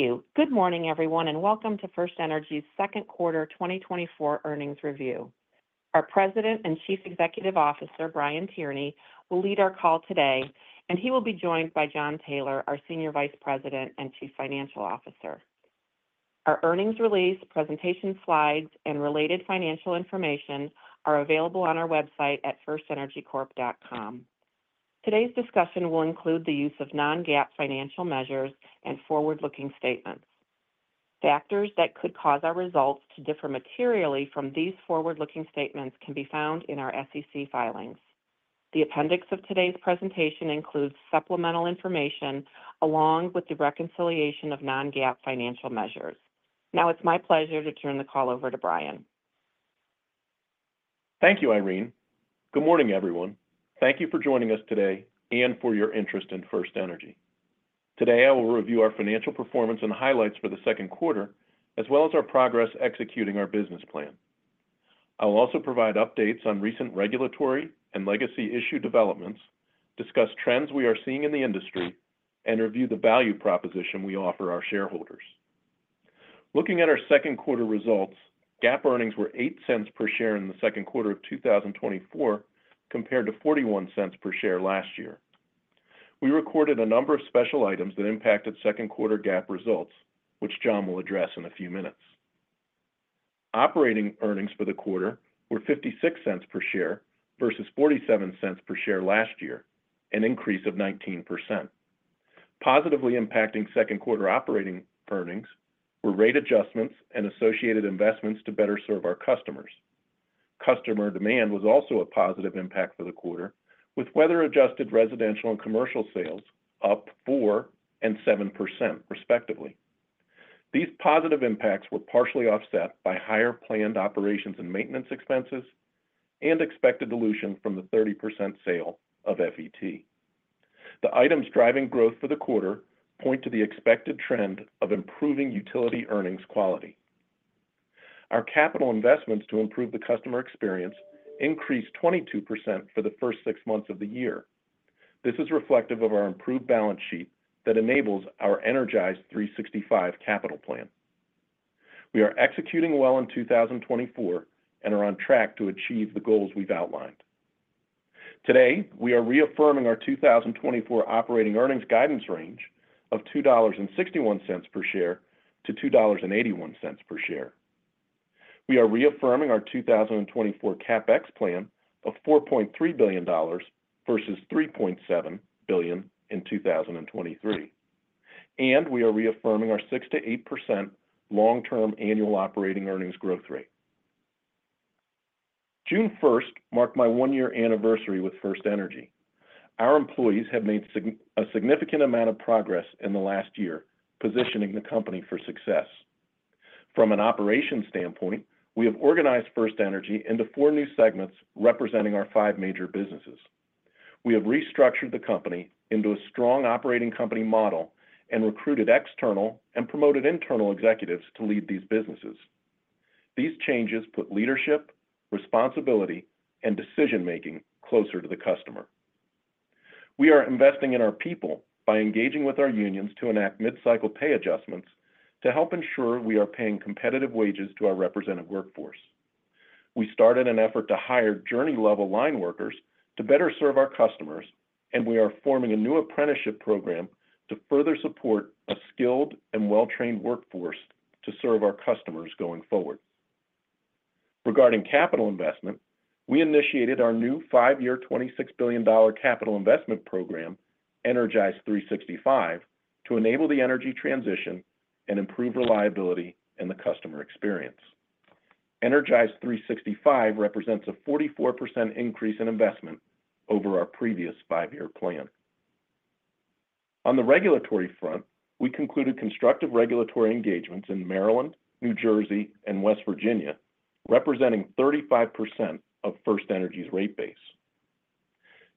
Thank you. Good morning, everyone, and welcome to FirstEnergy's second quarter 2024 earnings review. Our President and Chief Executive Officer, Brian Tierney, will lead our call today, and he will be joined by Jon Taylor, our Senior Vice President and Chief Financial Officer. Our earnings release, presentation slides, and related financial information are available on our website at firstenergycorp.com. Today's discussion will include the use of non-GAAP financial measures and forward-looking statements. Factors that could cause our results to differ materially from these forward-looking statements can be found in our SEC filings. The appendix of today's presentation includes supplemental information along with the reconciliation of non-GAAP financial measures. Now, it's my pleasure to turn the call over to Brian. Thank you, Irene. Good morning, everyone. Thank you for joining us today and for your interest in FirstEnergy. Today, I will review our financial performance and highlights for the second quarter, as well as our progress executing our business plan. I will also provide updates on recent regulatory and legacy issue developments, discuss trends we are seeing in the industry, and review the value proposition we offer our shareholders. Looking at our second quarter results, GAAP earnings were $0.08 per share in the second quarter of 2024, compared to $0.41 per share last year. We recorded a number of special items that impacted second quarter GAAP results, which Jon will address in a few minutes. Operating earnings for the quarter were $0.56 per share versus $0.47 per share last year, an increase of 19%. Positively impacting second quarter operating earnings were rate adjustments and associated investments to better serve our customers. Customer demand was also a positive impact for the quarter, with weather-adjusted residential and commercial sales up 4% and 7%, respectively. These positive impacts were partially offset by higher planned operations and maintenance expenses and expected dilution from the 30% sale of FET. The items driving growth for the quarter point to the expected trend of improving utility earnings quality. Our capital investments to improve the customer experience increased 22% for the first 6 months of the year. This is reflective of our improved balance sheet that enables our Energize365 capital plan. We are executing well in 2024 and are on track to achieve the goals we've outlined. Today, we are reaffirming our 2024 operating earnings guidance range of $2.61 per share-$2.81 per share. We are reaffirming our 2024 CapEx plan of $4.3 billion versus $3.7 billion in 2023, and we are reaffirming our 6%-8% long-term annual operating earnings growth rate. June 1 marked my 1-year anniversary with FirstEnergy. Our employees have made a significant amount of progress in the last year, positioning the company for success. From an operations standpoint, we have organized FirstEnergy into 4 new segments representing our 5 major businesses. We have restructured the company into a strong operating company model and recruited external and promoted internal executives to lead these businesses. These changes put leadership, responsibility, and decision-making closer to the customer. We are investing in our people by engaging with our unions to enact mid-cycle pay adjustments to help ensure we are paying competitive wages to our represented workforce. We started an effort to hire journey-level line workers to better serve our customers, and we are forming a new apprenticeship program to further support a skilled and well-trained workforce to serve our customers going forward. Regarding capital investment, we initiated our new five-year, $26 billion capital investment program, Energize365, to enable the energy transition and improve reliability and the customer experience. Energize365 represents a 44% increase in investment over our previous five-year plan. On the regulatory front, we concluded constructive regulatory engagements in Maryland, New Jersey, and West Virginia, representing 35% of FirstEnergy's rate base.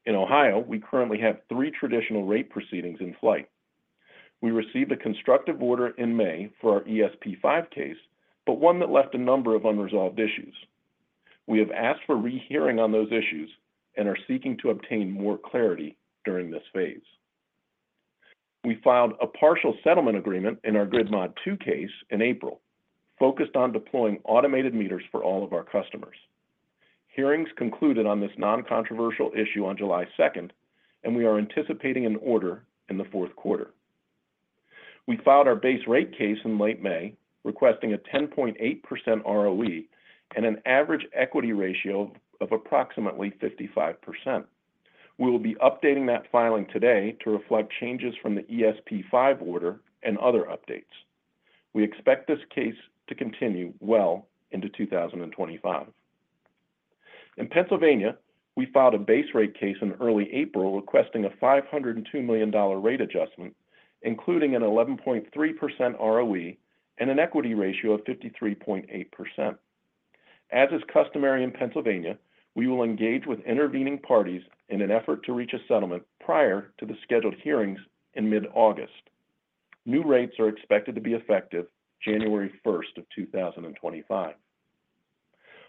In Ohio, we currently have three traditional rate proceedings in flight. We received a constructive order in May for our ESP V case, but one that left a number of unresolved issues. We have asked for rehearing on those issues and are seeking to obtain more clarity during this phase. We filed a partial settlement agreement in our Grid Mod II case in April, focused on deploying automated meters for all of our customers. Hearings concluded on this non-controversial issue on July 2, and we are anticipating an order in the fourth quarter. We filed our base rate case in late May, requesting a 10.8% ROE and an average equity ratio of approximately 55%. We will be updating that filing today to reflect changes from the ESP V order and other updates. We expect this case to continue well into 2025. In Pennsylvania, we filed a base rate case in early April, requesting a $502 million rate adjustment, including an 11.3% ROE and an equity ratio of 53.8%. As is customary in Pennsylvania, we will engage with intervening parties in an effort to reach a settlement prior to the scheduled hearings in mid-August. New rates are expected to be effective January 1, 2025.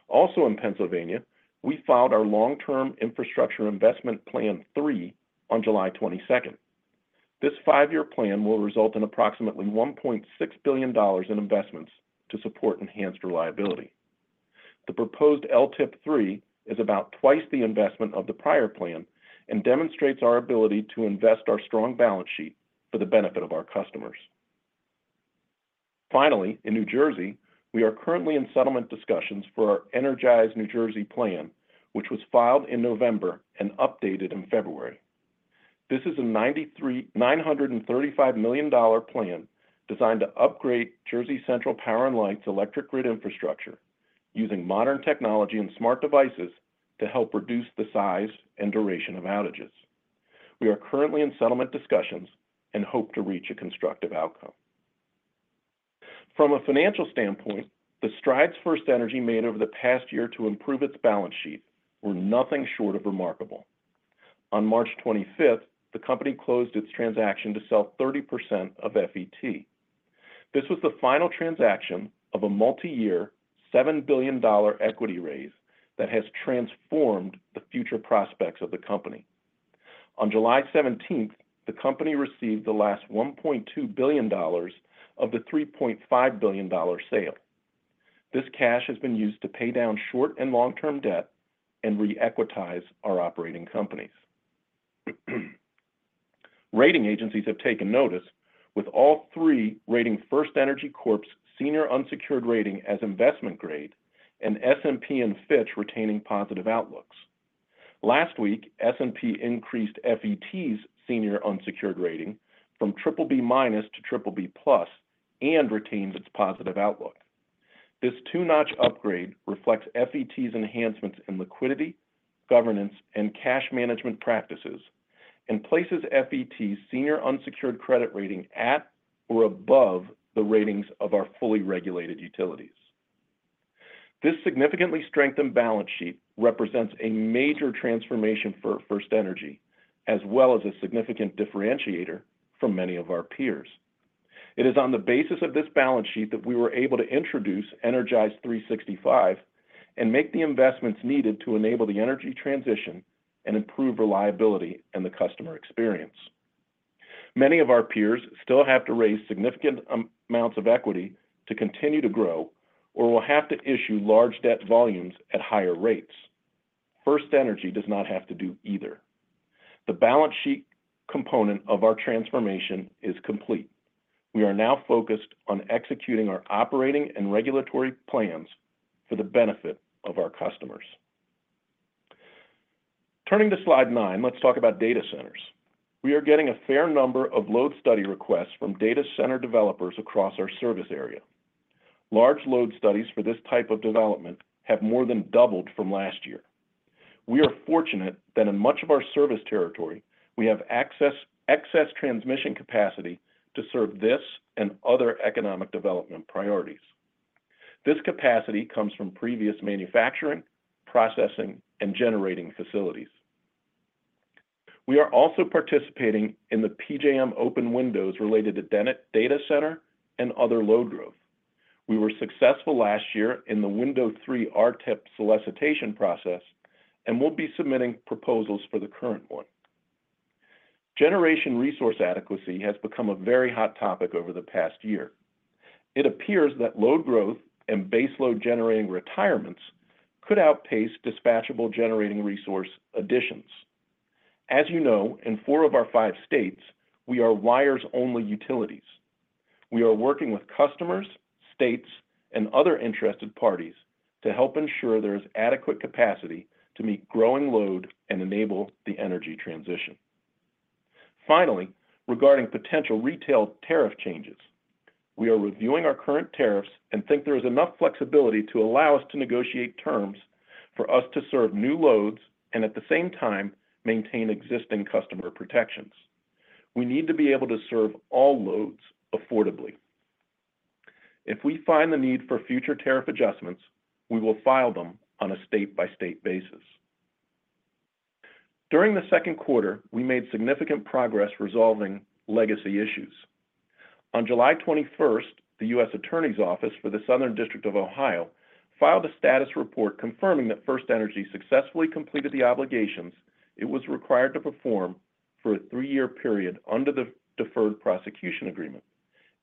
Also in Pennsylvania, we filed our long-term infrastructure investment plan 3 on July 22. This five-year plan will result in approximately $1.6 billion in investments to support enhanced reliability. The proposed LTIP 3 is about twice the investment of the prior plan and demonstrates our ability to invest our strong balance sheet for the benefit of our customers. Finally, in New Jersey, we are currently in settlement discussions for our Energize New Jersey plan, which was filed in November and updated in February. This is a $935 million plan designed to upgrade Jersey Central Power and Light's electric grid infrastructure using modern technology and smart devices to help reduce the size and duration of outages. We are currently in settlement discussions and hope to reach a constructive outcome. From a financial standpoint, the strides FirstEnergy made over the past year to improve its balance sheet were nothing short of remarkable. On March 25, the company closed its transaction to sell 30% of FET. This was the final transaction of a multi-year, $7 billion equity raise that has transformed the future prospects of the company. On July seventeenth, the company received the last $1.2 billion of the $3.5 billion sale. This cash has been used to pay down short and long-term debt and re-equitize our operating companies. Rating agencies have taken notice, with all three rating FirstEnergy Corp.'s senior unsecured rating as investment grade and S&P and Fitch retaining positive outlooks. Last week, S&P increased FET's senior unsecured rating from BBB- to BBB+ and retained its positive outlook. This two-notch upgrade reflects FET's enhancements in liquidity, governance, and cash management practices, and places FET's senior unsecured credit rating at or above the ratings of our fully regulated utilities. This significantly strengthened balance sheet represents a major transformation for FirstEnergy, as well as a significant differentiator from many of our peers. It is on the basis of this balance sheet that we were able to introduce Energize365 and make the investments needed to enable the energy transition and improve reliability and the customer experience. Many of our peers still have to raise significant amounts of equity to continue to grow or will have to issue large debt volumes at higher rates. FirstEnergy does not have to do either. The balance sheet component of our transformation is complete. We are now focused on executing our operating and regulatory plans for the benefit of our customers. Turning to slide nine, let's talk about data centers. We are getting a fair number of load study requests from data center developers across our service area. Large load studies for this type of development have more than doubled from last year. We are fortunate that in much of our service territory, we have access to excess transmission capacity to serve this and other economic development priorities. This capacity comes from previous manufacturing, processing, and generating facilities. We are also participating in the PJM open windows related to data center and other load growth. We were successful last year in the Window 3 RTEP solicitation process, and we'll be submitting proposals for the current one. Generation resource adequacy has become a very hot topic over the past year. It appears that load growth and base load generating retirements could outpace dispatchable generating resource additions. As you know, in four of our five states, we are wires-only utilities. We are working with customers, states, and other interested parties to help ensure there is adequate capacity to meet growing load and enable the energy transition. Finally, regarding potential retail tariff changes, we are reviewing our current tariffs and think there is enough flexibility to allow us to negotiate terms for us to serve new loads and at the same time, maintain existing customer protections. We need to be able to serve all loads affordably. If we find the need for future tariff adjustments, we will file them on a state-by-state basis. During the second quarter, we made significant progress resolving legacy issues. On July 21, the U.S. Attorney's Office for the Southern District of Ohio filed a status report confirming that FirstEnergy successfully completed the obligations it was required to perform for a three-year period under the deferred prosecution agreement,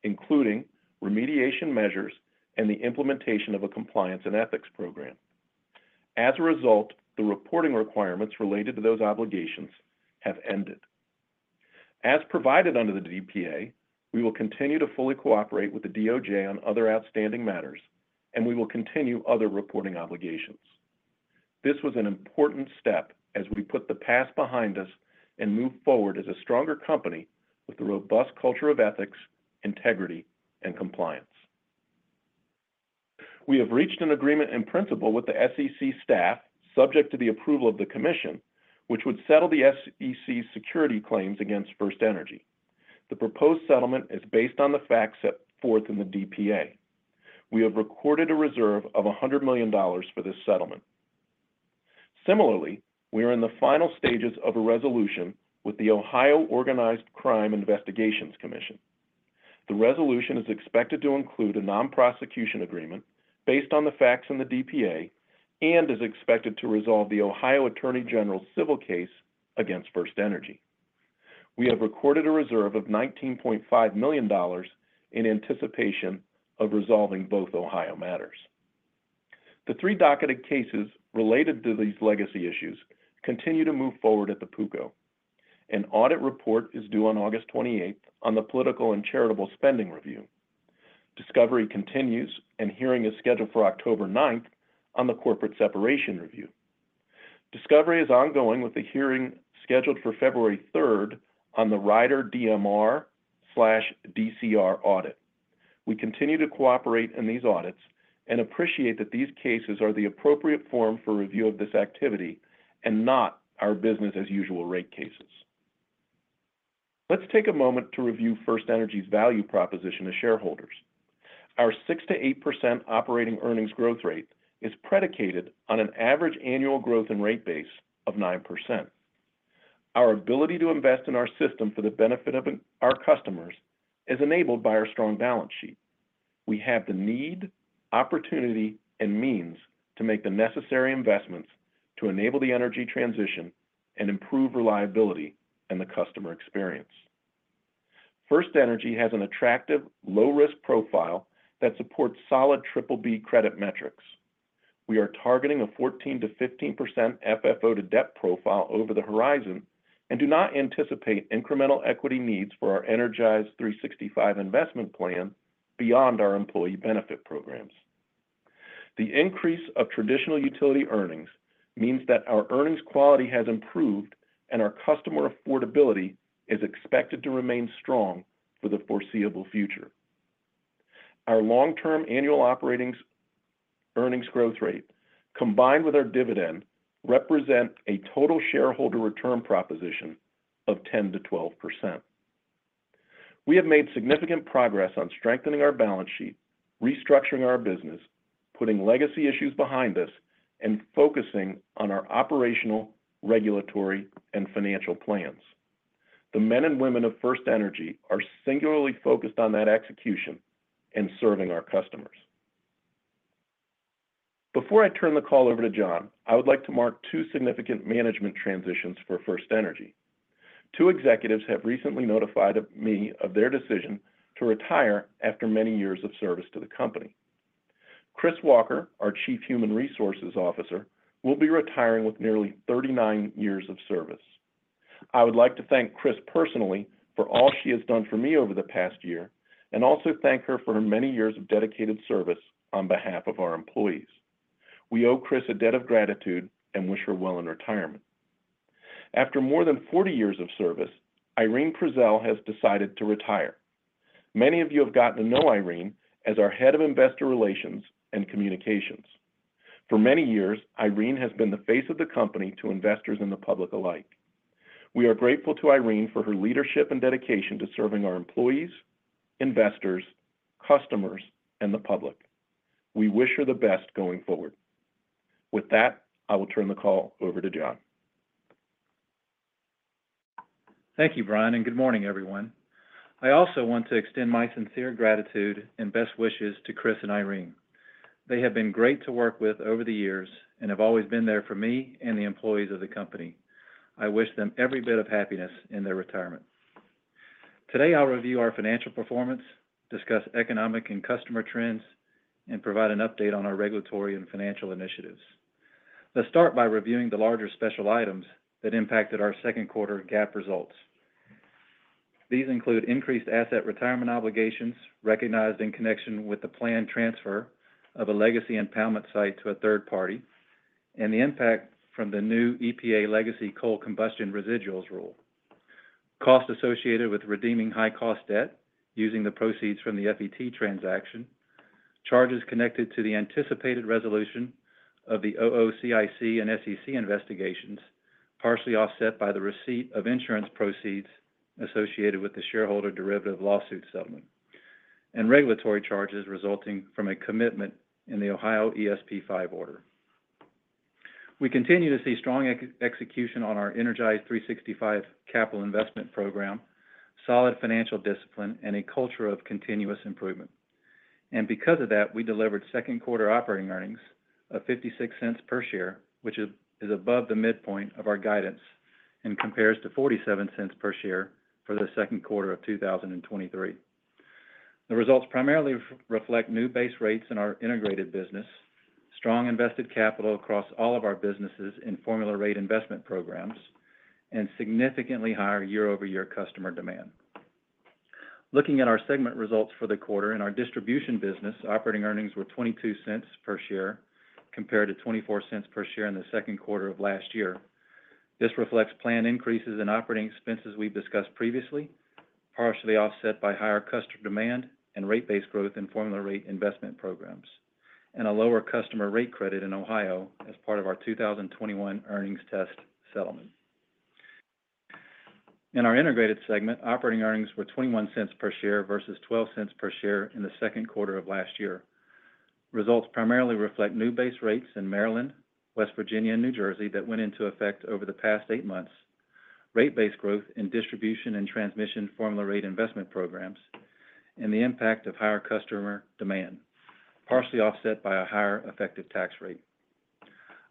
including remediation measures and the implementation of a compliance and ethics program. As a result, the reporting requirements related to those obligations have ended. As provided under the DPA, we will continue to fully cooperate with the DOJ on other outstanding matters, and we will continue other reporting obligations. This was an important step as we put the past behind us and move forward as a stronger company with a robust culture of ethics, integrity, and compliance. We have reached an agreement in principle with the SEC staff, subject to the approval of the commission, which would settle the SEC's securities claims against FirstEnergy. The proposed settlement is based on the facts set forth in the DPA. We have recorded a reserve of $100 million for this settlement. Similarly, we are in the final stages of a resolution with the Ohio Organized Crime Investigations Commission. The resolution is expected to include a non-prosecution agreement based on the facts in the DPA, and is expected to resolve the Ohio Attorney General's civil case against FirstEnergy. We have recorded a reserve of $19.5 million in anticipation of resolving both Ohio matters. The three docketed cases related to these legacy issues continue to move forward at the PUCO. An audit report is due on August 28th on the political and charitable spending review. Discovery continues, and hearing is scheduled for October 9th on the corporate separation review. Discovery is ongoing, with the hearing scheduled for February 3rd on the Rider DMR/DCR audit. We continue to cooperate in these audits and appreciate that these cases are the appropriate forum for review of this activity and not our business-as-usual rate cases. Let's take a moment to review FirstEnergy's value proposition to shareholders. Our 6%-8% operating earnings growth rate is predicated on an average annual growth in rate base of 9%. Our ability to invest in our system for the benefit of our customers is enabled by our strong balance sheet. We have the need, opportunity, and means to make the necessary investments to enable the energy transition and improve reliability and the customer experience. FirstEnergy has an attractive, low-risk profile that supports solid BBB credit metrics. We are targeting a 14%-15% FFO-to-debt profile over the horizon and do not anticipate incremental equity needs for our Energize365 investment plan beyond our employee benefit programs. The increase of traditional utility earnings means that our earnings quality has improved and our customer affordability is expected to remain strong for the foreseeable future. Our long-term annual operating earnings growth rate, combined with our dividend, represent a total shareholder return proposition of 10%-12%. We have made significant progress on strengthening our balance sheet, restructuring our business, putting legacy issues behind us, and focusing on our operational, regulatory, and financial plans. The men and women of FirstEnergy are singularly focused on that execution and serving our customers. Before I turn the call over to Jon, I would like to mark two significant management transitions for FirstEnergy. Two executives have recently notified me of their decision to retire after many years of service to the company. Chris Walker, our Chief Human Resources Officer, will be retiring with nearly 39 years of service. I would like to thank Chris personally for all she has done for me over the past year, and also thank her for her many years of dedicated service on behalf of our employees. We owe Chris a debt of gratitude and wish her well in retirement. After more than 40 years of service, Irene Prezelj has decided to retire. Many of you have gotten to know Irene as our Head of Investor Relations and Communications. For many years, Irene has been the face of the company to investors and the public alike. We are grateful to Irene for her leadership and dedication to serving our employees, investors, customers, and the public. We wish her the best going forward. With that, I will turn the call over to Jon. Thank you, Brian, and good morning, everyone. I also want to extend my sincere gratitude and best wishes to Chris and Irene. They have been great to work with over the years and have always been there for me and the employees of the company. I wish them every bit of happiness in their retirement. Today, I'll review our financial performance, discuss economic and customer trends, and provide an update on our regulatory and financial initiatives. Let's start by reviewing the larger special items that impacted our second quarter GAAP results. These include increased asset retirement obligations recognized in connection with the planned transfer of a legacy impoundment site to a third party, and the impact from the new EPA Legacy Coal Combustion Residuals Rule, costs associated with redeeming high-cost debt using the proceeds from the FET transaction, charges connected to the anticipated resolution of the OOCIC and SEC investigations, partially offset by the receipt of insurance proceeds associated with the shareholder derivative lawsuit settlement, and regulatory charges resulting from a commitment in the Ohio ESP V order. We continue to see strong execution on our Energize365 capital investment program, solid financial discipline, and a culture of continuous improvement. Because of that, we delivered second quarter operating earnings of $0.56 per share, which is above the midpoint of our guidance and compares to $0.47 per share for the second quarter of 2023. The results primarily reflect new base rates in our integrated business, strong invested capital across all of our businesses in formula rate investment programs, and significantly higher year-over-year customer demand. Looking at our segment results for the quarter, in our distribution business, operating earnings were $0.22 per share, compared to $0.24 per share in the second quarter of last year. This reflects planned increases in operating expenses we've discussed previously, partially offset by higher customer demand and rate base growth in formula rate investment programs, and a lower customer rate credit in Ohio as part of our 2021 earnings test settlement. In our integrated segment, operating earnings were $0.21 per share versus $0.12 per share in the second quarter of last year. Results primarily reflect new base rates in Maryland, West Virginia, and New Jersey that went into effect over the past eight months, rate-based growth in distribution and transmission formula rate investment programs, and the impact of higher customer demand, partially offset by a higher effective tax rate.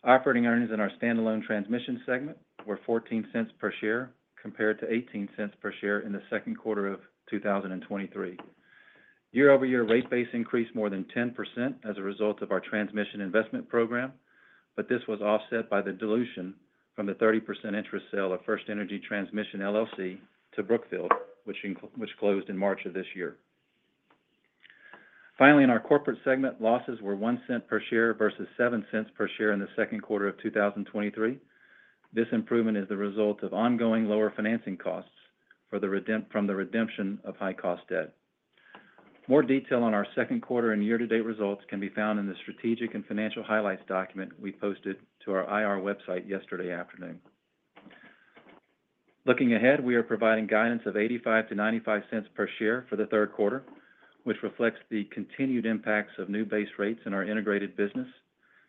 Operating earnings in our standalone transmission segment were $0.14 per share, compared to $0.18 per share in the second quarter of 2023. Year-over-year rate base increased more than 10% as a result of our transmission investment program, but this was offset by the dilution from the 30% interest sale of FirstEnergy Transmission, LLC to Brookfield, which closed in March of this year. Finally, in our corporate segment, losses were $0.01 per share versus $0.07 per share in the second quarter of 2023. This improvement is the result of ongoing lower financing costs from the redemption of high cost debt. More detail on our second quarter and year-to-date results can be found in the Strategic and Financial Highlights document we posted to our IR website yesterday afternoon. Looking ahead, we are providing guidance of $0.85-$0.95 per share for the third quarter, which reflects the continued impacts of new base rates in our integrated business,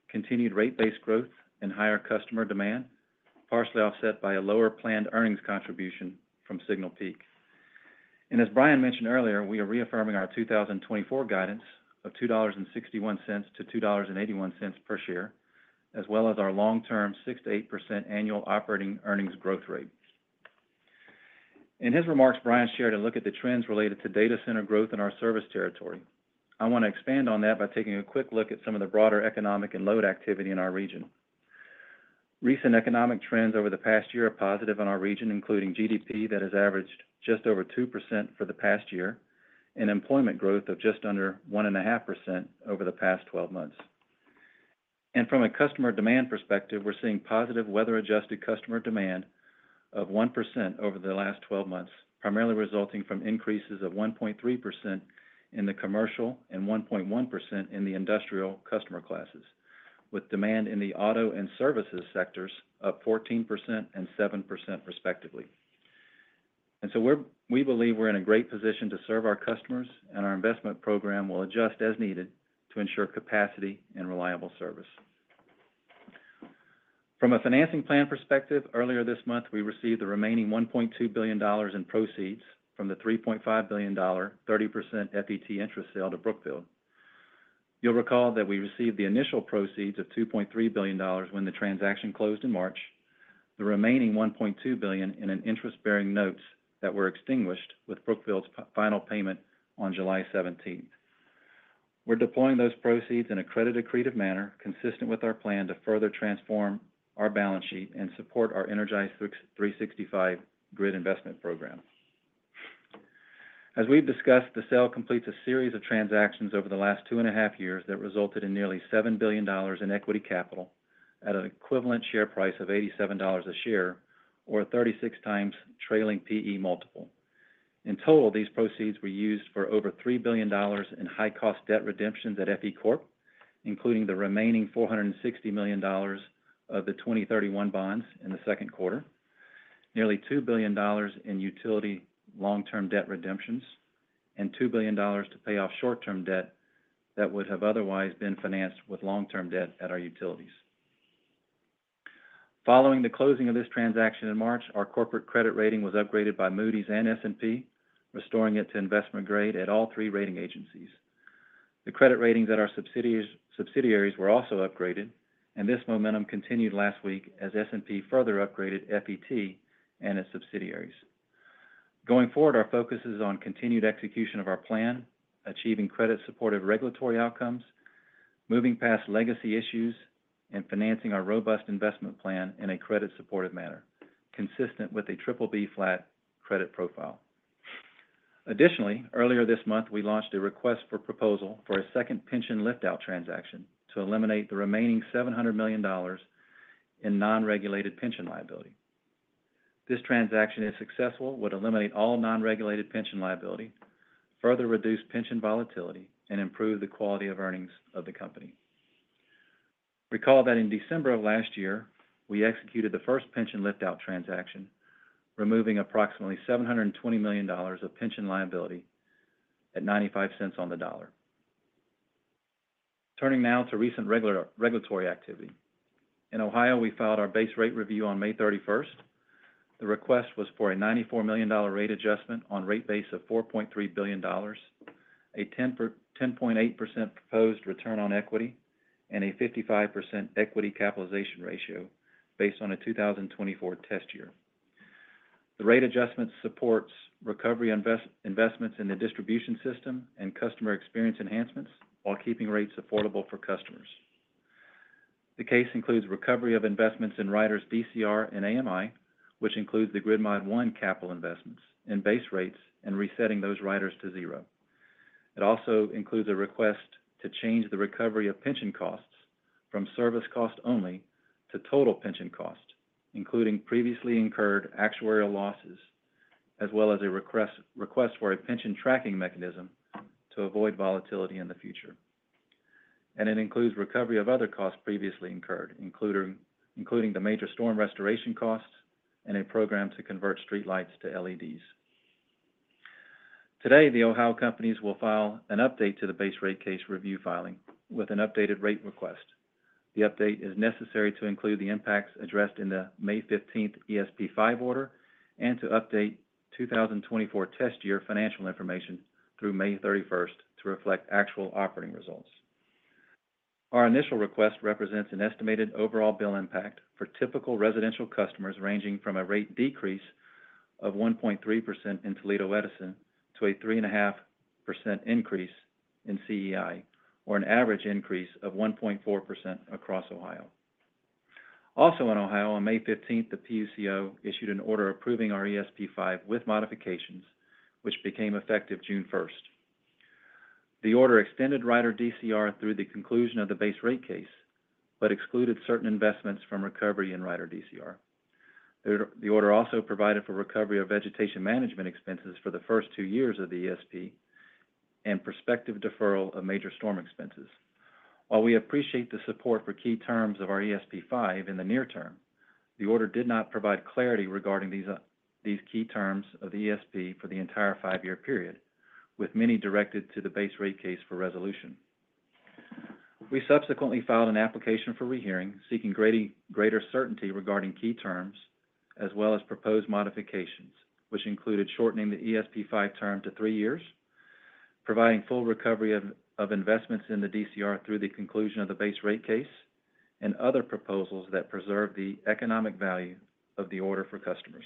continued rate-based growth and higher customer demand, partially offset by a lower planned earnings contribution from Signal Peak. As Brian mentioned earlier, we are reaffirming our 2024 guidance of $2.61-$2.81 per share, as well as our long-term 6%-8% annual operating earnings growth rate. In his remarks, Brian shared a look at the trends related to data center growth in our service territory. I want to expand on that by taking a quick look at some of the broader economic and load activity in our region. Recent economic trends over the past year are positive in our region, including GDP, that has averaged just over 2% for the past year, and employment growth of just under 1.5% over the past 12 months. From a customer demand perspective, we're seeing positive weather-adjusted customer demand of 1% over the last 12 months, primarily resulting from increases of 1.3% in the commercial and 1.1% in the industrial customer classes, with demand in the auto and services sectors up 14% and 7% respectively. And so we believe we're in a great position to serve our customers, and our investment program will adjust as needed to ensure capacity and reliable service. From a financing plan perspective, earlier this month, we received the remaining $1.2 billion in proceeds from the $3.5 billion, 30% FET interest sale to Brookfield. You'll recall that we received the initial proceeds of $2.3 billion when the transaction closed in March, the remaining $1.2 billion in an interest-bearing notes that were extinguished with Brookfield's final payment on July seventeenth. We're deploying those proceeds in a credit accretive manner, consistent with our plan to further transform our balance sheet and support our Energize365 grid investment program. As we've discussed, the sale completes a series of transactions over the last 2.5 years that resulted in nearly $7 billion in equity capital at an equivalent share price of $87 a share or 36 times trailing PE multiple. In total, these proceeds were used for over $3 billion in high-cost debt redemptions at FE Corp, including the remaining $460 million of the 2031 bonds in the second quarter, nearly $2 billion in utility long-term debt redemptions, and $2 billion to pay off short-term debt that would have otherwise been financed with long-term debt at our utilities. Following the closing of this transaction in March, our corporate credit rating was upgraded by Moody's and S&P, restoring it to investment grade at all three rating agencies. The credit ratings at our subsidiaries were also upgraded, and this momentum continued last week as S&P further upgraded FET and its subsidiaries. Going forward, our focus is on continued execution of our plan, achieving credit supportive regulatory outcomes, moving past legacy issues, and financing our robust investment plan in a credit supportive manner, consistent with a triple B flat credit profile. Additionally, earlier this month, we launched a request for proposal for a second pension lift-out transaction to eliminate the remaining $700 million in non-regulated pension liability. This transaction, if successful, would eliminate all non-regulated pension liability, further reduce pension volatility, and improve the quality of earnings of the company. Recall that in December of last year, we executed the first pension lift-out transaction, removing approximately $720 million of pension liability at $0.95 on the dollar. Turning now to recent regulatory activity. In Ohio, we filed our base rate review on May 31st. The request was for a $94 million rate adjustment on rate base of $4.3 billion, a 10.8% proposed return on equity, and a 55% equity capitalization ratio based on a 2024 test year. The rate adjustment supports recovery investments in the distribution system and customer experience enhancements while keeping rates affordable for customers. The case includes recovery of investments in riders, DCR and AMI, which includes the Grid Mod I capital investments and base rates, and resetting those riders to zero. It also includes a request to change the recovery of pension costs from service cost only to total pension cost, including previously incurred actuarial losses, as well as a request for a pension tracking mechanism to avoid volatility in the future... and it includes recovery of other costs previously incurred, including the major storm restoration costs and a program to convert streetlights to LEDs. Today, the Ohio companies will file an update to the base rate case review filing with an updated rate request. The update is necessary to include the impacts addressed in the May 15 ESP V order, and to update 2024 test year financial information through May thirty-first to reflect actual operating results. Our initial request represents an estimated overall bill impact for typical residential customers, ranging from a rate decrease of 1.3% in Toledo Edison to a 3.5% increase in CEI, or an average increase of 1.4% across Ohio. Also in Ohio, on May fifteenth, the PUCO issued an order approving our ESP V with modifications, which became effective June first. The order extended Rider DCR through the conclusion of the base rate case, but excluded certain investments from recovery in Rider DCR. The order also provided for recovery of vegetation management expenses for the first two years of the ESP and prospective deferral of major storm expenses. While we appreciate the support for key terms of our ESP V in the near term, the order did not provide clarity regarding these key terms of the ESP for the entire five-year period, with many directed to the base rate case for resolution. We subsequently filed an application for rehearing, seeking greater certainty regarding key terms, as well as proposed modifications, which included shortening the ESP V term to three years, providing full recovery of investments in the DCR through the conclusion of the base rate case, and other proposals that preserve the economic value of the order for customers.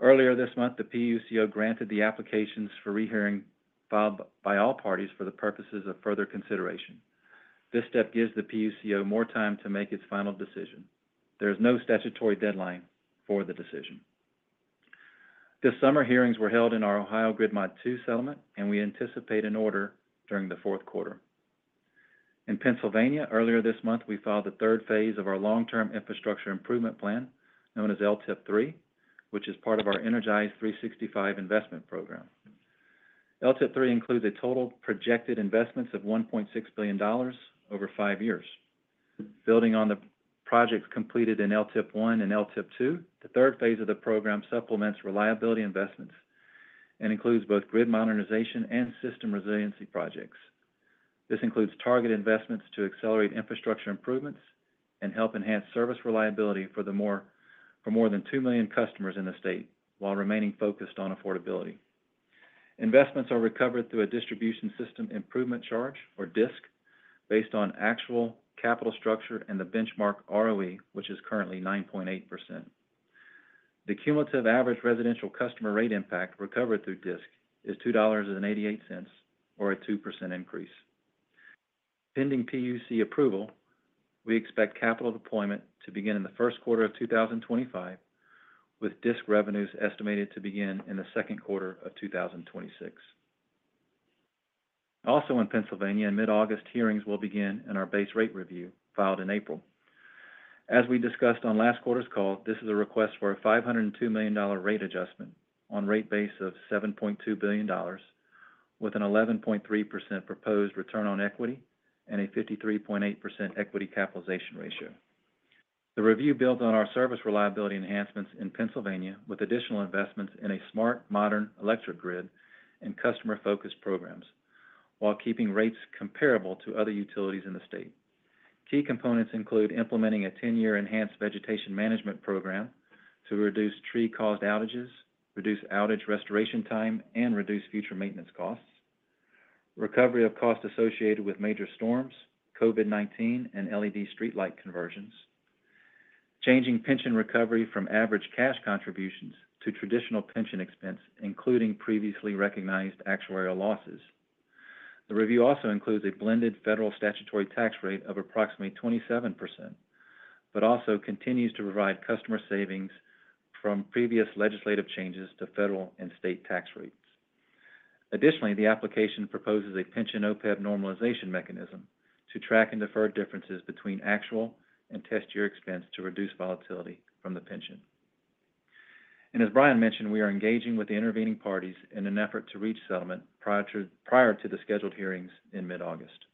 Earlier this month, the PUCO granted the applications for rehearing filed by all parties for the purposes of further consideration. This step gives the PUCO more time to make its final decision. There is no statutory deadline for the decision. This summer, hearings were held in our Ohio Grid Mod II settlement, and we anticipate an order during the fourth quarter. In Pennsylvania, earlier this month, we filed the third phase of our Long-Term Infrastructure Improvement plan, known as LTIP III, which is part of our Energize365 investment program. LTIP III includes a total projected investments of $1.6 billion over five years. Building on the projects completed in LTIP I and LTIP II, the third phase of the program supplements reliability investments and includes both grid modernization and system resiliency projects. This includes target investments to accelerate infrastructure improvements and help enhance service reliability for more than 2 million customers in the state, while remaining focused on affordability. Investments are recovered through a distribution system improvement charge, or DSIC, based on actual capital structure and the benchmark ROE, which is currently 9.8%. The cumulative average residential customer rate impact recovered through DSIC is $2.88, or a 2% increase. Pending PUC approval, we expect capital deployment to begin in the first quarter of 2025, with DSIC revenues estimated to begin in the second quarter of 2026. Also in Pennsylvania, in mid-August, hearings will begin in our base rate review, filed in April. As we discussed on last quarter's call, this is a request for a $502 million rate adjustment on rate base of $7.2 billion, with an 11.3% proposed return on equity and a 53.8% equity capitalization ratio. The review builds on our service reliability enhancements in Pennsylvania, with additional investments in a smart, modern electric grid and customer-focused programs, while keeping rates comparable to other utilities in the state. Key components include implementing a 10-year enhanced vegetation management program to reduce tree-caused outages, reduce outage restoration time, and reduce future maintenance costs. Recovery of costs associated with major storms, COVID-19, and LED streetlight conversions. Changing pension recovery from average cash contributions to traditional pension expense, including previously recognized actuarial losses. The review also includes a blended federal statutory tax rate of approximately 27%, but also continues to provide customer savings from previous legislative changes to federal and state tax rates. Additionally, the application proposes a pension OPEB normalization mechanism to track and defer differences between actual and test year expense to reduce volatility from the pension. And as Brian mentioned, we are engaging with the intervening parties in an effort to reach settlement prior to the scheduled hearings in mid-August.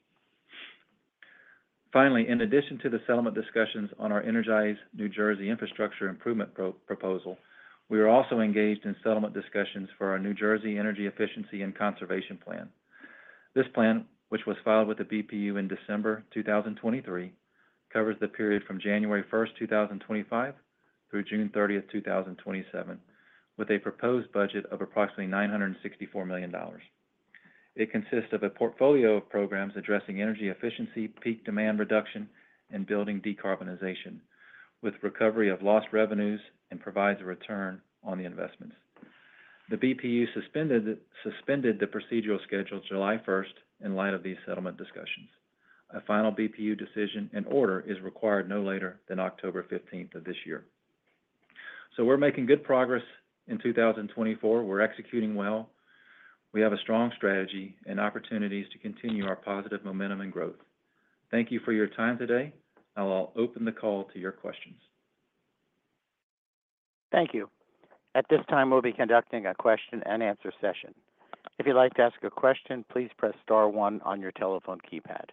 Finally, in addition to the settlement discussions on our Energize New Jersey Infrastructure Improvement Proposal, we are also engaged in settlement discussions for our New Jersey Energy Efficiency and Conservation Plan. This plan, which was filed with the BPU in December 2023, covers the period from January 1, 2025, through June 30, 2027, with a proposed budget of approximately $964 million. It consists of a portfolio of programs addressing energy efficiency, peak demand reduction, and building decarbonization, with recovery of lost revenues and provides a return on the investments. The BPU suspended the procedural schedule July 1 in light of these settlement discussions. A final BPU decision and order is required no later than October fifteenth of this year. So we're making good progress in 2024. We're executing well. We have a strong strategy and opportunities to continue our positive momentum and growth. Thank you for your time today. I'll now open the call to your questions.... Thank you. At this time, we'll be conducting a question-and-answer session. If you'd like to ask a question, please press star one on your telephone keypad.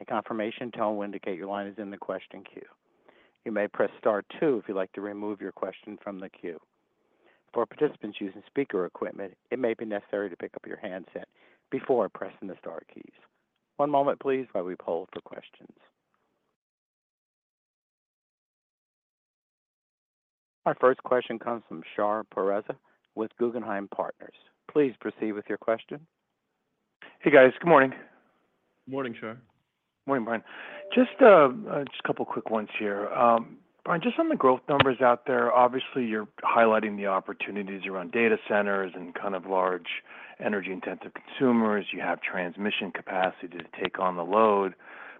A confirmation tone will indicate your line is in the question queue. You may press star two if you'd like to remove your question from the queue. For participants using speaker equipment, it may be necessary to pick up your handset before pressing the star keys. One moment please, while we poll for questions. Our first question comes from Shar Pourreza with Guggenheim Partners. Please proceed with your question. Hey, guys. Good morning. Morning, Shar. Morning, Brian. Just a couple quick ones here. Brian, just on the growth numbers out there, obviously, you're highlighting the opportunities around data centers and kind of large energy-intensive consumers. You have transmission capacity to take on the load,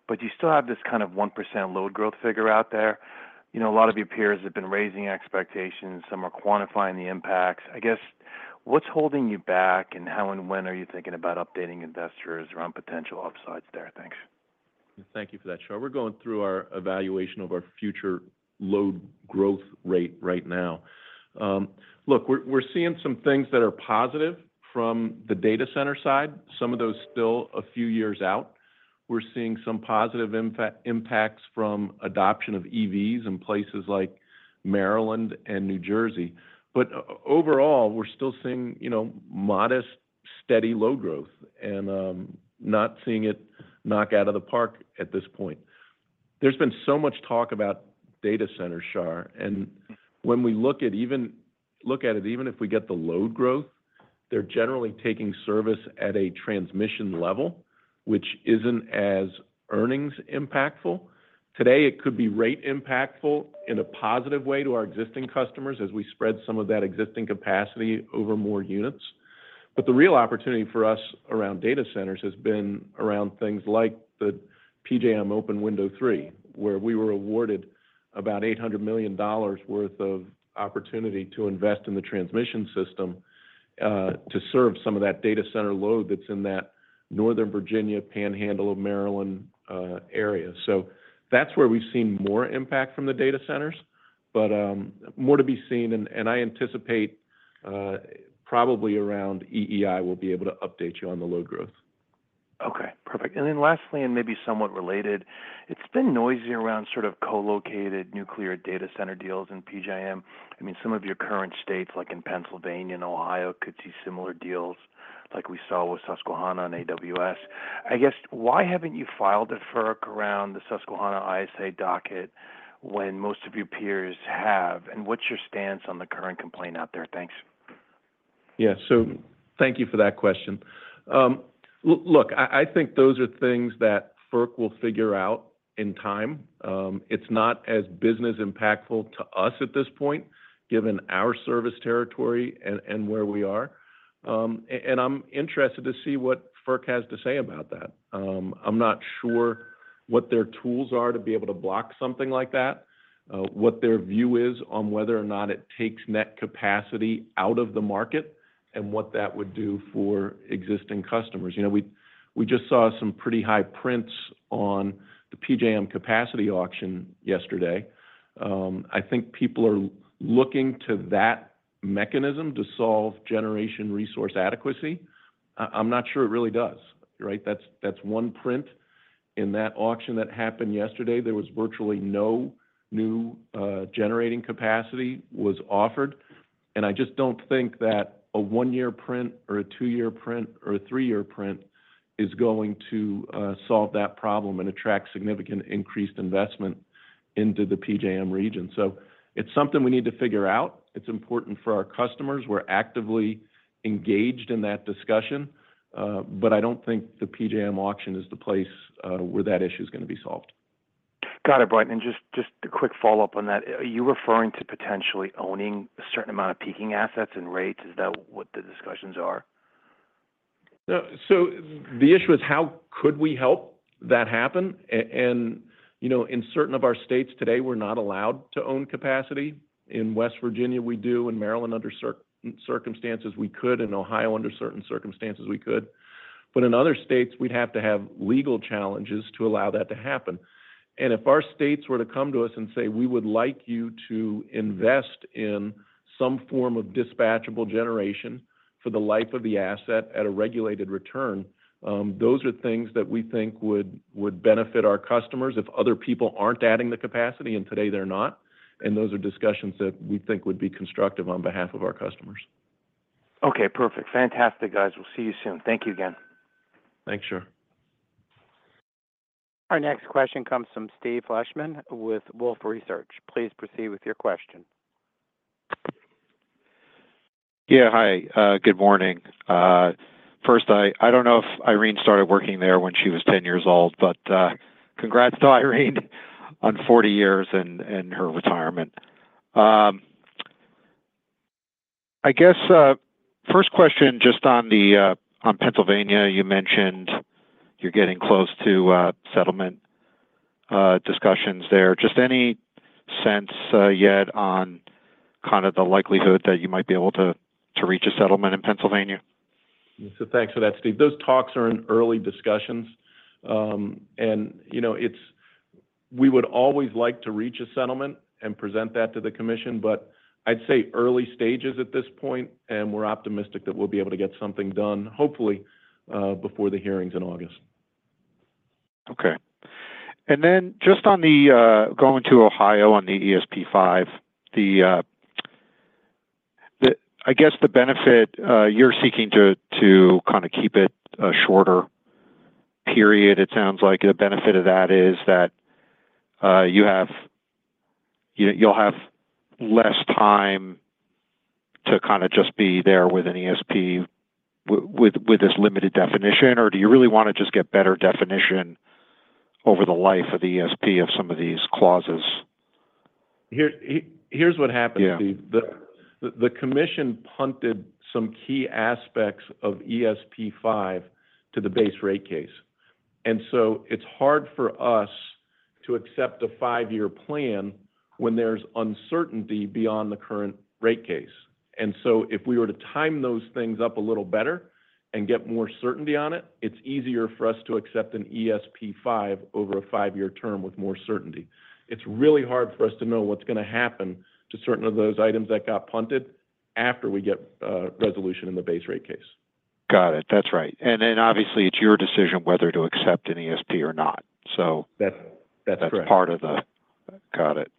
but you still have this kind of 1% load growth figure out there. You know, a lot of your peers have been raising expectations, some are quantifying the impacts. I guess, what's holding you back, and how and when are you thinking about updating investors around potential upsides there? Thanks. Thank you for that, Shar. We're going through our evaluation of our future load growth rate right now. Look, we're seeing some things that are positive from the data center side, some of those still a few years out. We're seeing some positive impacts from adoption of EVs in places like Maryland and New Jersey. But overall, we're still seeing, you know, modest, steady load growth and not seeing it knock out of the park at this point. There's been so much talk about data centers, Shar, and when we look at it, even if we get the load growth, they're generally taking service at a transmission level, which isn't as earnings impactful. Today, it could be rate impactful in a positive way to our existing customers, as we spread some of that existing capacity over more units. But the real opportunity for us around data centers has been around things like the PJM Open Window 3, where we were awarded about $800 million worth of opportunity to invest in the transmission system, to serve some of that data center load that's in that Northern Virginia, panhandle of Maryland, area. So that's where we've seen more impact from the data centers, but, more to be seen, and, and I anticipate, probably around EEI, we'll be able to update you on the load growth. Okay, perfect. And then lastly, and maybe somewhat related, it's been noisy around sort of co-located nuclear data center deals in PJM. I mean, some of your current states, like in Pennsylvania and Ohio, could see similar deals like we saw with Susquehanna on AWS. I guess, why haven't you filed a FERC around the Susquehanna ISA docket when most of your peers have, and what's your stance on the current complaint out there? Thanks. Yeah. So thank you for that question. Look, I think those are things that FERC will figure out in time. It's not as business impactful to us at this point, given our service territory and where we are. And I'm interested to see what FERC has to say about that. I'm not sure what their tools are to be able to block something like that, what their view is on whether or not it takes net capacity out of the market, and what that would do for existing customers. You know, we just saw some pretty high prints on the PJM capacity auction yesterday. I think people are looking to that mechanism to solve generation resource adequacy. I'm not sure it really does, right? That's one print. In that auction that happened yesterday, there was virtually no new, generating capacity was offered, and I just don't think that a one-year print or a two-year print or a three-year print is going to, solve that problem and attract significant increased investment into the PJM region. So it's something we need to figure out. It's important for our customers. We're actively engaged in that discussion, but I don't think the PJM auction is the place, where that issue is gonna be solved. Got it, Brian. Just, just a quick follow-up on that, are you referring to potentially owning a certain amount of peaking assets and rates? Is that what the discussions are? So the issue is how could we help that happen? And, you know, in certain of our states today, we're not allowed to own capacity. In West Virginia, we do, in Maryland, under certain circumstances, we could, in Ohio, under certain circumstances, we could. But in other states, we'd have to have legal challenges to allow that to happen. And if our states were to come to us and say, "We would like you to invest in some form of dispatchable generation for the life of the asset at a regulated return," those are things that we think would benefit our customers if other people aren't adding the capacity, and today they're not. And those are discussions that we think would be constructive on behalf of our customers. Okay, perfect. Fantastic, guys. We'll see you soon. Thank you again. Thanks, Shar. Our next question comes from Steve Fleishman with Wolfe Research. Please proceed with your question. Yeah, hi. Good morning. First, I don't know if Irene started working there when she was 10 years old, but congrats to Irene on 40 years and her retirement. I guess first question, just on Pennsylvania, you mentioned you're getting close to settlement discussions there. Just any sense yet on kind of the likelihood that you might be able to reach a settlement in Pennsylvania?... So thanks for that, Steve. Those talks are in early discussions, and, you know, we would always like to reach a settlement and present that to the commission, but I'd say early stages at this point, and we're optimistic that we'll be able to get something done, hopefully, before the hearings in August. Okay. And then just on the going to Ohio on the ESP V, I guess the benefit you're seeking to kinda keep it a shorter period. It sounds like the benefit of that is that you have—you, you'll have less time to kinda just be there with an ESP with this limited definition, or do you really wanna just get better definition over the life of the ESP of some of these clauses? Here, here's what happened, Steve. Yeah. The commission punted some key aspects of ESP V to the base rate case, and so it's hard for us to accept a five-year plan when there's uncertainty beyond the current rate case. And so if we were to time those things up a little better and get more certainty on it, it's easier for us to accept an ESP V over a five-year term with more certainty. It's really hard for us to know what's gonna happen to certain of those items that got punted after we get resolution in the base rate case. Got it. That's right. And then, obviously, it's your decision whether to accept an ESP or not. So- That, that's right.... that's part of - got it.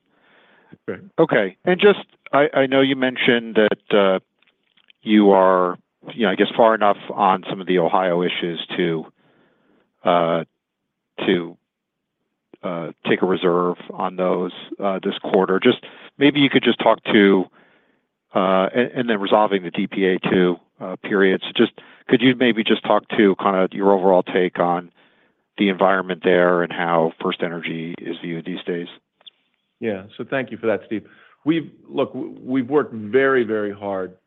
Right. Okay. And just I know you mentioned that you are, you know, I guess, far enough on some of the Ohio issues to take a reserve on those this quarter. Just maybe you could just talk to... and then resolving the DPA two periods. Just could you maybe just talk to kinda your overall take on the environment there and how FirstEnergy is viewing these days? Yeah. So thank you for that, Steve. We've. Look, we've worked very, very hard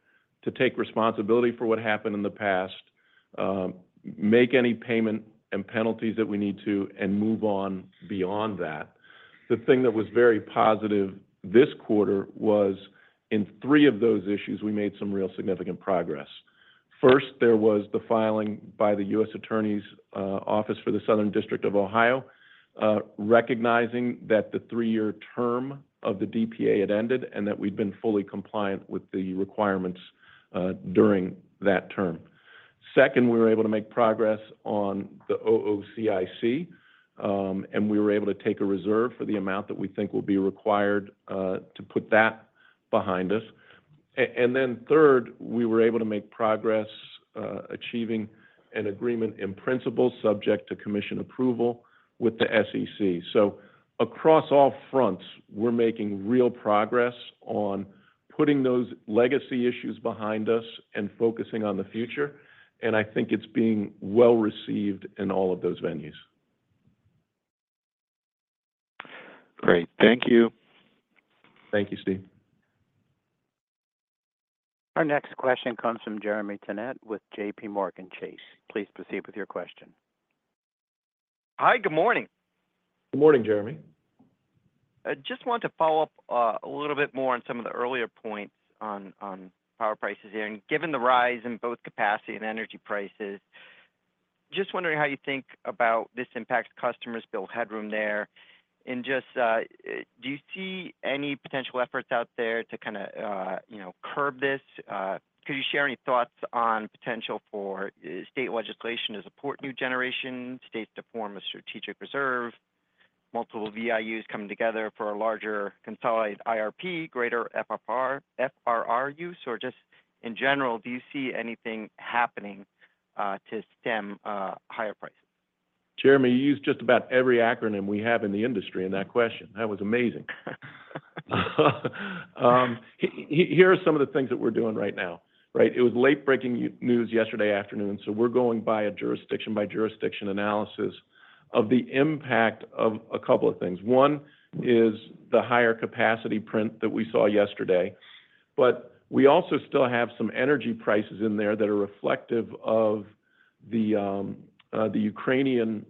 to take responsibility for what happened in the past, make any payment and penalties that we need to, and move on beyond that. The thing that was very positive this quarter was, in three of those issues, we made some real significant progress. First, there was the filing by the U.S. Attorney's Office for the Southern District of Ohio, recognising that the three-year term of the DPA had ended, and that we'd been fully compliant with the requirements, during that term. Second, we were able to make progress on the OOCIC, and we were able to take a reserve for the amount that we think will be required, to put that behind us. and then third, we were able to make progress, achieving an agreement in principle, subject to commission approval with the SEC. So across all fronts, we're making real progress on putting those legacy issues behind us and focusing on the future, and I think it's being well received in all of those venues. Great. Thank you. Thank you, Steve. Our next question comes from Jeremy Tonet with JPMorgan Chase. Please proceed with your question. Hi, good morning. Good morning, Jeremy. I just want to follow up, a little bit more on some of the earlier points on, on power prices here. And given the rise in both capacity and energy prices, just wondering how you think about this impact customers build headroom there. And just, do you see any potential efforts out there to kinda, you know, curb this? Could you share any thoughts on potential for state legislation to support new generation, states to form a strategic reserve, multiple VIUs coming together for a larger consolidated IRP, greater FRR use, or just in general, do you see anything happening, to stem, higher prices? Jeremy, you used just about every acronym we have in the industry in that question. That was amazing. Here are some of the things that we're doing right now, right? It was late-breaking news yesterday afternoon, so we're going by a jurisdiction-by-jurisdiction analysis of the impact of a couple of things. One is the higher capacity print that we saw yesterday, but we also still have some energy prices in there that are reflective of the Ukrainian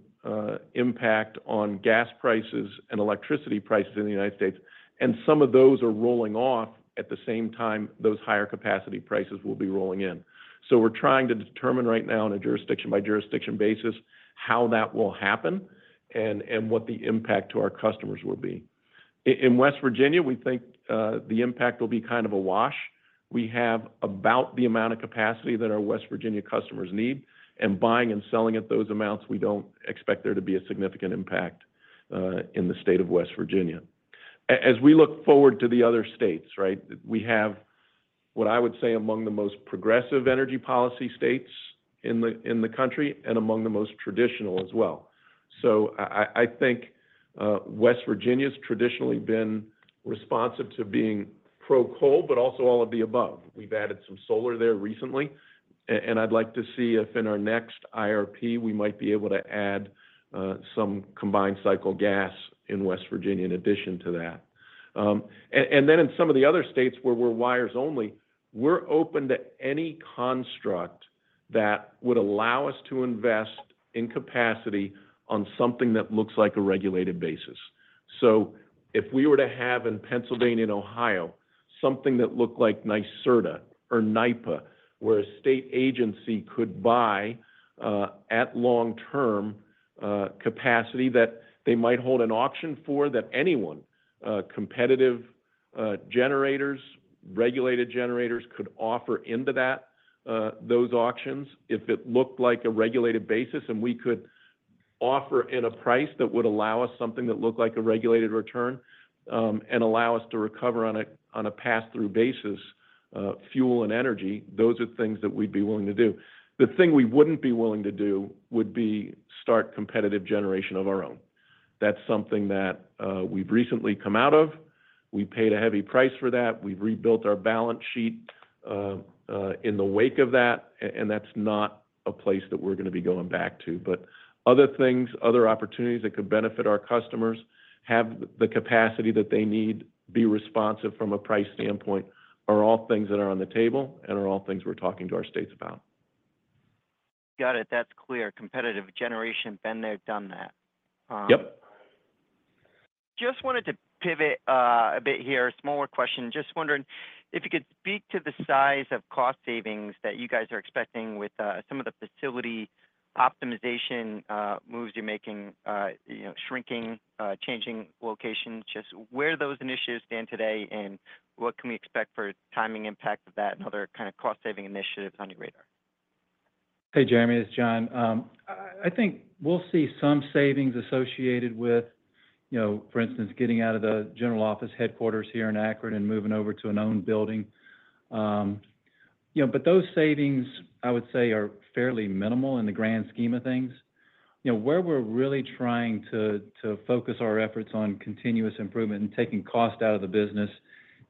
impact on gas prices and electricity prices in the United States, and some of those are rolling off at the same time those higher capacity prices will be rolling in. So we're trying to determine right now on a jurisdiction-by-jurisdiction basis, how that will happen and what the impact to our customers will be. In West Virginia, we think the impact will be kind of a wash. We have about the amount of capacity that our West Virginia customers need, and buying and selling at those amounts, we don't expect there to be a significant impact in the state of West Virginia. As we look forward to the other states, right, we have what I would say, among the most progressive energy policy states in the country and among the most traditional as well. So I think West Virginia's traditionally been responsive to being pro-coal, but also all of the above. We've added some solar there recently, and I'd like to see if in our next IRP, we might be able to add some combined cycle gas in West Virginia in addition to that. And then in some of the other states where we're wires only, we're open to any construct that would allow us to invest in capacity on something that looks like a regulated basis. So if we were to have in Pennsylvania and Ohio something that looked like NYSERDA or NYPA, where a state agency could buy at long-term capacity that they might hold an auction for, that anyone competitive generators, regulated generators, could offer into that those auctions. If it looked like a regulated basis, and we could offer at a price that would allow us something that looked like a regulated return, and allow us to recover on a pass-through basis fuel and energy, those are things that we'd be willing to do. The thing we wouldn't be willing to do would be start competitive generation of our own. That's something that we've recently come out of. We paid a heavy price for that. We've rebuilt our balance sheet in the wake of that, and that's not a place that we're gonna be going back to. But other things, other opportunities that could benefit our customers, have the capacity that they need, be responsive from a price standpoint, are all things that are on the table and are all things we're talking to our states about. Got it. That's clear. Competitive generation, been there, done that. Yep. Just wanted to pivot, a bit here, a smaller question. Just wondering if you could speak to the size of cost savings that you guys are expecting with, some of the facility optimization, moves you're making, you know, shrinking, changing locations. Just where do those initiatives stand today, and what can we expect for timing impact of that and other kind of cost-saving initiatives on your radar? Hey, Jeremy, it's Jon. I think we'll see some savings associated with, you know, for instance, getting out of the general office headquarters here in Akron and moving over to an owned building. You know, but those savings, I would say, are fairly minimal in the grand scheme of things. You know, where we're really trying to focus our efforts on continuous improvement and taking cost out of the business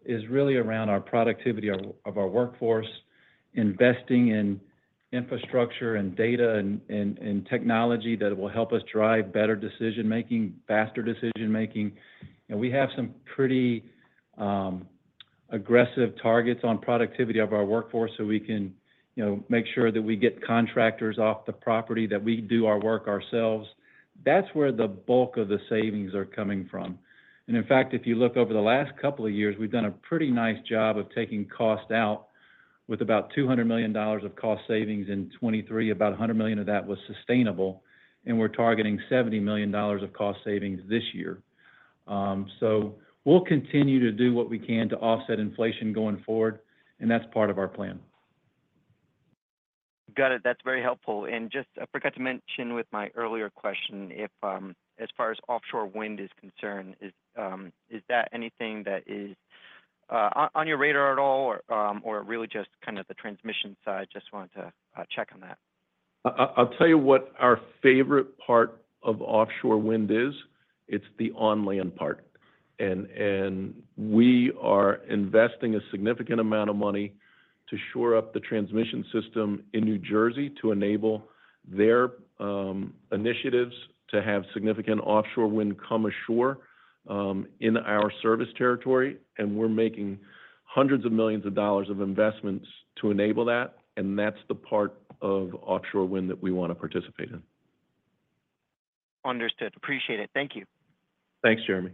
is really around our productivity of our workforce, investing in infrastructure and data, and technology that will help us drive better decision-making, faster decision-making. You know, we have some pretty aggressive targets on productivity of our workforce, so we can, you know, make sure that we get contractors off the property, that we do our work ourselves. That's where the bulk of the savings are coming from. In fact, if you look over the last couple of years, we've done a pretty nice job of taking cost out with about $200 million of cost savings in 2023, about $100 million of that was sustainable, and we're targeting $70 million of cost savings this year. So we'll continue to do what we can to offset inflation going forward, and that's part of our plan. Got it. That's very helpful. And just, I forgot to mention with my earlier question, if as far as offshore wind is concerned, is that anything that is on your radar at all, or really just kind of the transmission side? Just wanted to check on that. I'll tell you what our favorite part of offshore wind is: it's the on land part. And we are investing a significant amount of money to shore up the transmission system in New Jersey to enable their initiatives to have significant offshore wind come ashore, in our service territory, and we're making hundreds of millions of dollars of investments to enable that, and that's the part of offshore wind that we want to participate in. Understood. Appreciate it. Thank you. Thanks, Jeremy.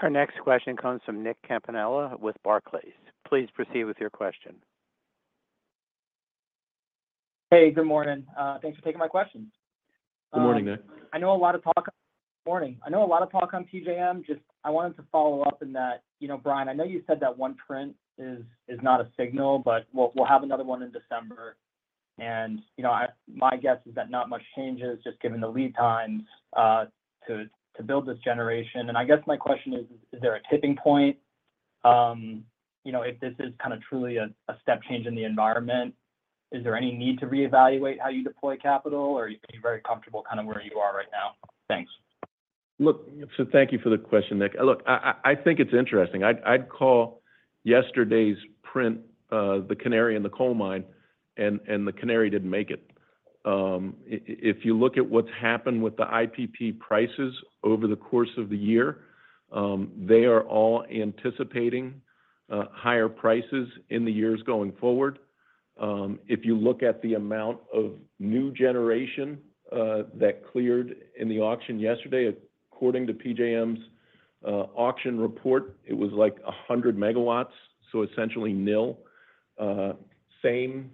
Our next question comes from Nick Campanella with Barclays. Please proceed with your question. Hey, good morning. Thanks for taking my questions. Good morning, Nick. Morning. I know a lot of talk on PJM. Just, I wanted to follow up on that. You know, Brian, I know you said that one print is not a signal, but we'll have another one in December, and, you know, my guess is that not much changes, just given the lead times to build this generation. And I guess my question is: Is there a tipping point, you know, if this is kind of truly a step change in the environment? Is there any need to reevaluate how you deploy capital, or are you very comfortable kind of where you are right now? Thanks. Look, so thank you for the question, Nick. Look, I think it's interesting. I'd call yesterday's print the canary in the coal mine, and the canary didn't make it. If you look at what's happened with the IPP prices over the course of the year, they are all anticipating higher prices in the years going forward. If you look at the amount of new generation that cleared in the auction yesterday, according to PJM's auction report, it was like 100 MW, so essentially nil. Same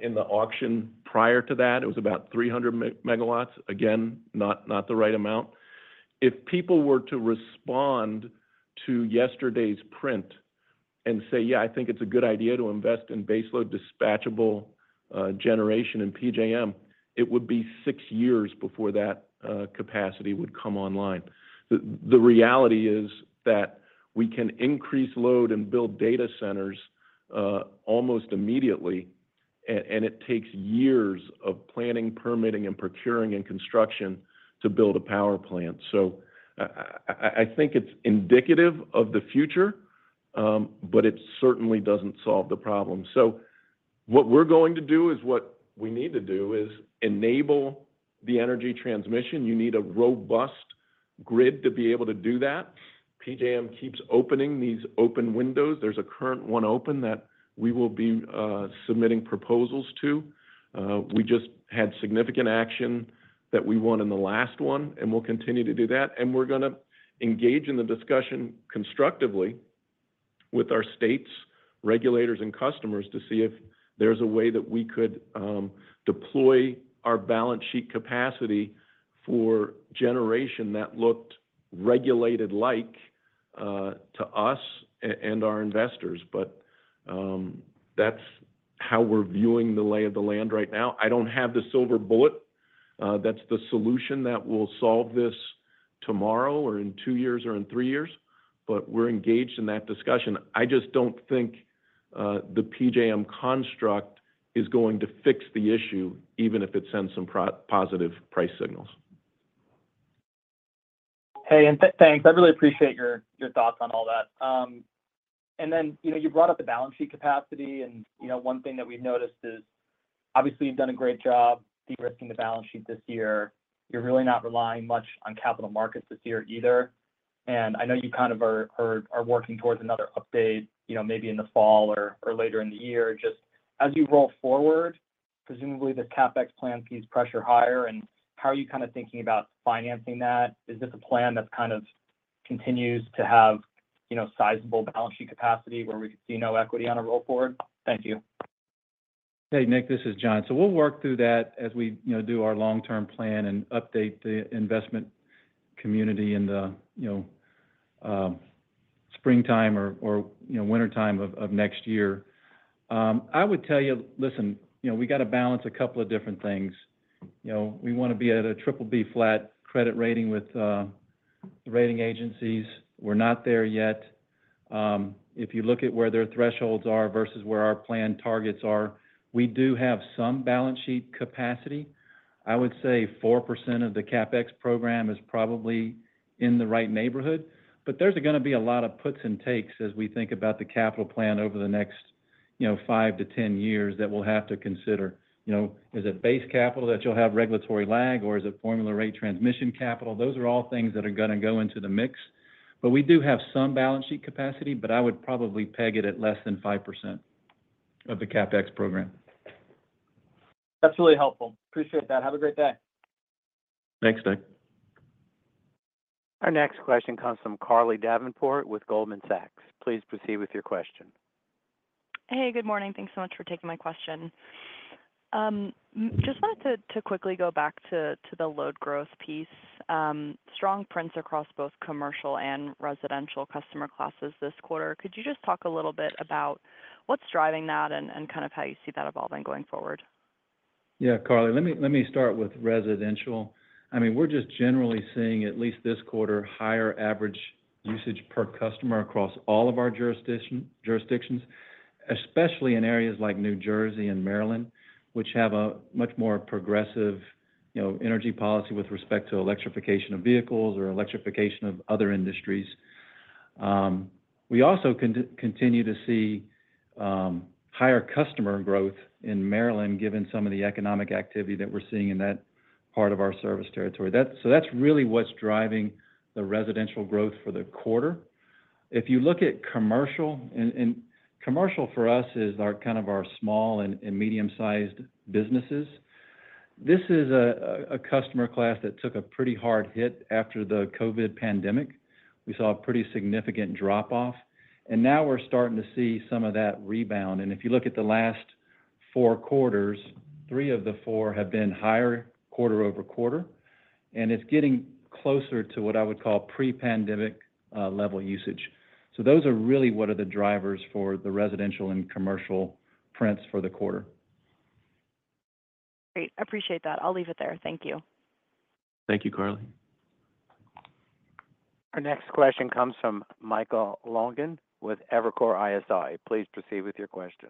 in the auction prior to that, it was about 300 MW. Again, not the right amount. If people were to respond to yesterday's print and say, "Yeah, I think it's a good idea to invest in baseload, dispatchable, generation in PJM," it would be six years before that capacity would come online. The reality is that we can increase load and build data centers almost immediately, and it takes years of planning, permitting, and procuring, and construction to build a power plant. So I think it's indicative of the future, but it certainly doesn't solve the problem. So what we're going to do is what we need to do, is enable the energy transmission. You need a robust grid to be able to do that. PJM keeps opening these open windows. There's a current one open that we will be submitting proposals to. We just had significant action that we won in the last one, and we'll continue to do that, and we're gonna engage in the discussion constructively.... with our state's regulators and customers to see if there's a way that we could deploy our balance sheet capacity for generation that looked regulated like to us and our investors. But that's how we're viewing the lay of the land right now. I don't have the silver bullet that's the solution that will solve this tomorrow, or in two years, or in three years, but we're engaged in that discussion. I just don't think the PJM construct is going to fix the issue, even if it sends some positive price signals. Hey, and thanks. I really appreciate your thoughts on all that. And then, you know, you brought up the balance sheet capacity, and, you know, one thing that we've noticed is, obviously, you've done a great job de-risking the balance sheet this year. You're really not relying much on capital markets this year either. And I know you kind of are working towards another update, you know, maybe in the fall or later in the year. Just as you roll forward, presumably this CapEx plan keeps pressure higher, and how are you kind of thinking about financing that? Is this a plan that kind of continues to have, you know, sizable balance sheet capacity where we could see no equity on a roll forward? Thank you. Hey, Nick, this is Jon. So we'll work through that as we, you know, do our long-term plan and update the investment community in the, you know, springtime or you know wintertime of next year. I would tell you, listen, you know, we got to balance a couple of different things. You know, we want to be at a BBB flat credit rating with the rating agencies. We're not there yet. If you look at where their thresholds are versus where our planned targets are, we do have some balance sheet capacity. I would say 4% of the CapEx program is probably in the right neighborhood, but there's gonna be a lot of puts and takes as we think about the capital plan over the next, you know, 5 years-10 years that we'll have to consider. You know, is it base capital that you'll have regulatory lag, or is it formula rate transmission capital? Those are all things that are gonna go into the mix, but we do have some balance sheet capacity, but I would probably peg it at less than 5% of the CapEx program. That's really helpful. Appreciate that. Have a great day. Thanks, Nick. Our next question comes from Carly Davenport with Goldman Sachs. Please proceed with your question. Hey, good morning. Thanks so much for taking my question. Just wanted to quickly go back to the load growth piece. Strong prints across both commercial and residential customer classes this quarter. Could you just talk a little bit about what's driving that and kind of how you see that evolving going forward? Yeah, Carly, let me start with residential. I mean, we're just generally seeing, at least this quarter, higher average usage per customer across all of our jurisdictions, especially in areas like New Jersey and Maryland, which have a much more progressive, you know, energy policy with respect to electrification of vehicles or electrification of other industries. We also continue to see higher customer growth in Maryland, given some of the economic activity that we're seeing in that part of our service territory. So that's really what's driving the residential growth for the quarter. If you look at commercial, commercial for us is kind of our small and medium-sized businesses. This is a customer class that took a pretty hard hit after the COVID pandemic. We saw a pretty significant drop-off, and now we're starting to see some of that rebound. And if you look at the last four quarters, three of the four have been higher quarter-over-quarter, and it's getting closer to what I would call pre-pandemic level usage. So those are really what are the drivers for the residential and commercial prints for the quarter. Great. I appreciate that. I'll leave it there. Thank you. Thank you, Carly. Our next question comes from Michael Lonegan with Evercore ISI. Please proceed with your question.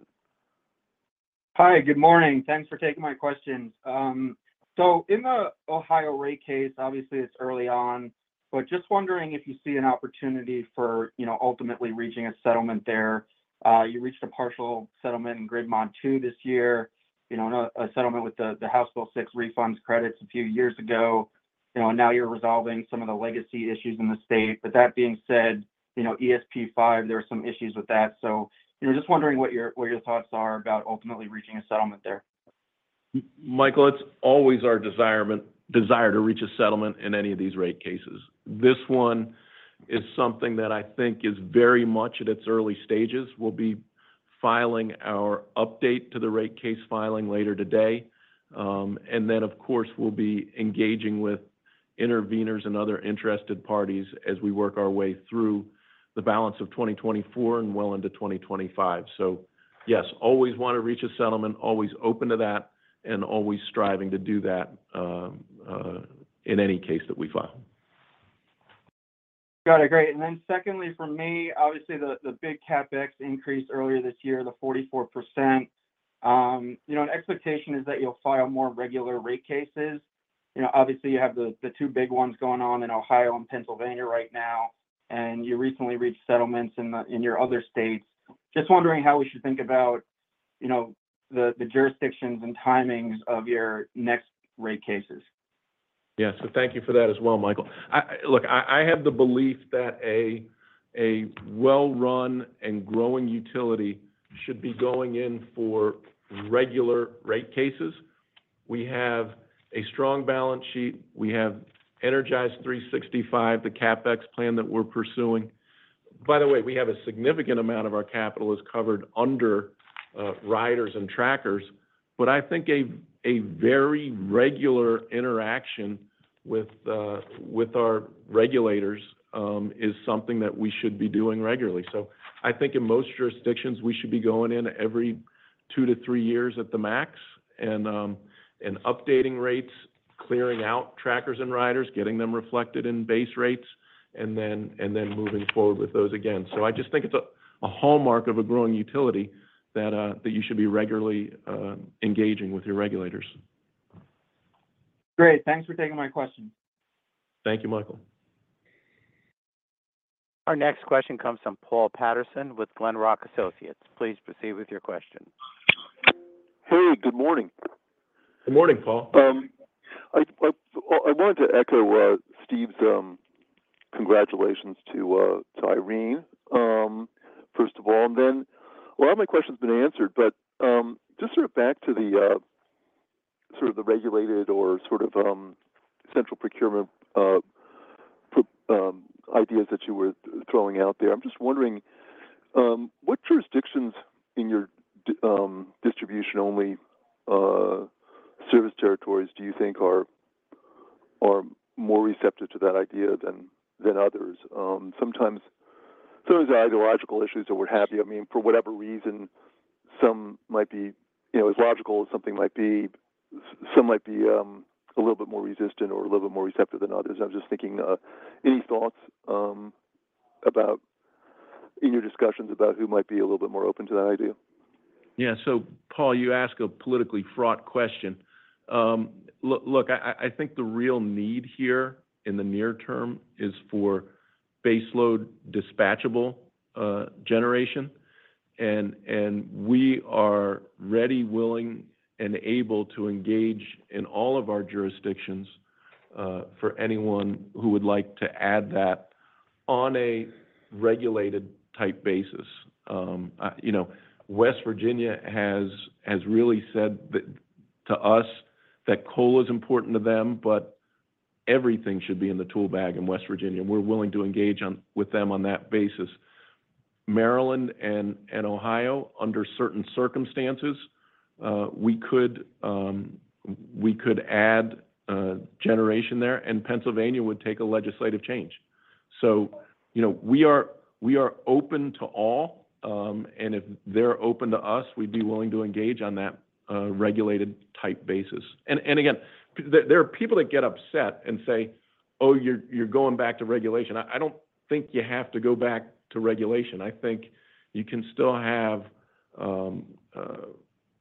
Hi, good morning. Thanks for taking my questions. So in the Ohio rate case, obviously, it's early on, but just wondering if you see an opportunity for, you know, ultimately reaching a settlement there. You reached a partial settlement in Grid Mod II this year, you know, and a settlement with the House Bill 6 refunds credits a few years ago. You know, and now you're resolving some of the legacy issues in the state. But that being said, you know, ESP V, there are some issues with that. So, you know, just wondering what your thoughts are about ultimately reaching a settlement there. Michael, it's always our desire to reach a settlement in any of these rate cases. This one is something that I think is very much at its early stages. We'll be filing our update to the rate case filing later today. And then, of course, we'll be engaging with interveners and other interested parties as we work our way through the balance of 2024 and well into 2025. So yes, always want to reach a settlement, always open to that, and always striving to do that, in any case that we file. Got it. Great. And then secondly, for me, obviously, the big CapEx increase earlier this year, the 44%. You know, an expectation is that you'll file more regular rate cases. You know, obviously, you have the two big ones going on in Ohio and Pennsylvania right now, and you recently reached settlements in your other states. Just wondering how we should think about, you know, the jurisdictions and timings of your next rate cases. Yeah. So thank you for that as well, Michael. Look, I have the belief that a well-run and growing utility should be going in for regular rate cases.... We have a strong balance sheet. We have Energize365, the CapEx plan that we're pursuing. By the way, we have a significant amount of our capital is covered under riders and trackers. But I think a very regular interaction with our regulators is something that we should be doing regularly. So I think in most jurisdictions, we should be going in every two to three years at the max, and updating rates, clearing out trackers and riders, getting them reflected in base rates, and then moving forward with those again. So I just think it's a hallmark of a growing utility that you should be regularly engaging with your regulators. Great. Thanks for taking my question. Thank you, Michael. Our next question comes from Paul Patterson with Glenrock Associates. Please proceed with your question. Hey, good morning. Good morning, Paul. I wanted to echo Steve's congratulations to Irene first of all, and then—Well, all my question's been answered, but just sort of back to the sort of the regulated or sort of central procurement ideas that you were throwing out there. I'm just wondering what jurisdictions in your d- distribution-only service territories do you think are more receptive to that idea than others? Sometimes there's ideological issues that we're happy. I mean, for whatever reason, some might be, you know, as logical as something might be, some might be a little bit more resistant or a little bit more receptive than others. I'm just thinking any thoughts about— in your discussions about who might be a little bit more open to that idea? Yeah. So, Paul, you ask a politically fraught question. Look, look, I, I think the real need here in the near term is for baseload, dispatchable, generation. And, and we are ready, willing, and able to engage in all of our jurisdictions, for anyone who would like to add that on a regulated-type basis. You know, West Virginia has, has really said that to us, that coal is important to them, but everything should be in the tool bag in West Virginia, and we're willing to engage on with them on that basis. Maryland and, and Ohio, under certain circumstances, we could, we could add, generation there, and Pennsylvania would take a legislative change. So, you know, we are, we are open to all, and if they're open to us, we'd be willing to engage on that, regulated-type basis. And again, there are people that get upset and say, "Oh, you're going back to regulation." I don't think you have to go back to regulation. I think you can still have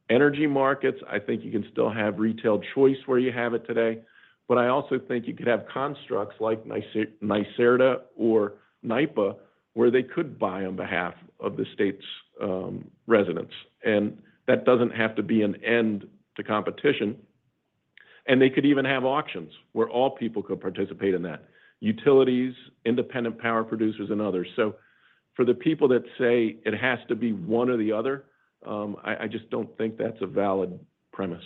energy markets. I think you can still have retail choice where you have it today, but I also think you could have constructs like NYSERDA or NYPA, where they could buy on behalf of the state's residents, and that doesn't have to be an end to competition. And they could even have auctions where all people could participate in that: utilities, independent power producers, and others. So for the people that say it has to be one or the other, I just don't think that's a valid premise.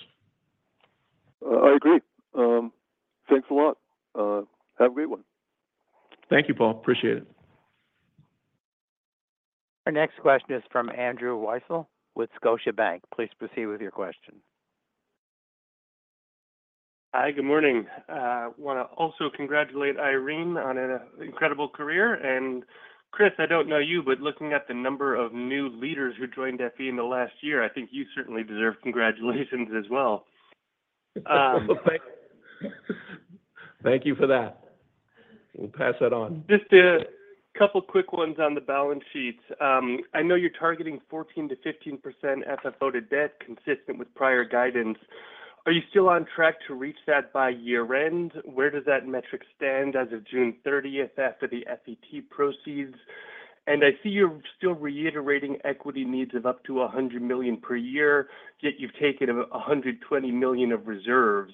I agree. Thanks a lot. Have a great one. Thank you, Paul. Appreciate it. Our next question is from Andrew Weisel with Scotiabank. Please proceed with your question. Hi, good morning. I wanna also congratulate Irene on an incredible career. And, Chris, I don't know you, but looking at the number of new leaders who joined FE in the last year, I think you certainly deserve congratulations as well. Thank you for that. We'll pass that on. Just a couple quick ones on the balance sheets. I know you're targeting 14%-15% FFO to debt, consistent with prior guidance. Are you still on track to reach that by year-end? Where does that metric stand as of June 30 after the FET proceeds? And I see you're still reiterating equity needs of up to $100 million per year, yet you've taken $120 million of reserves.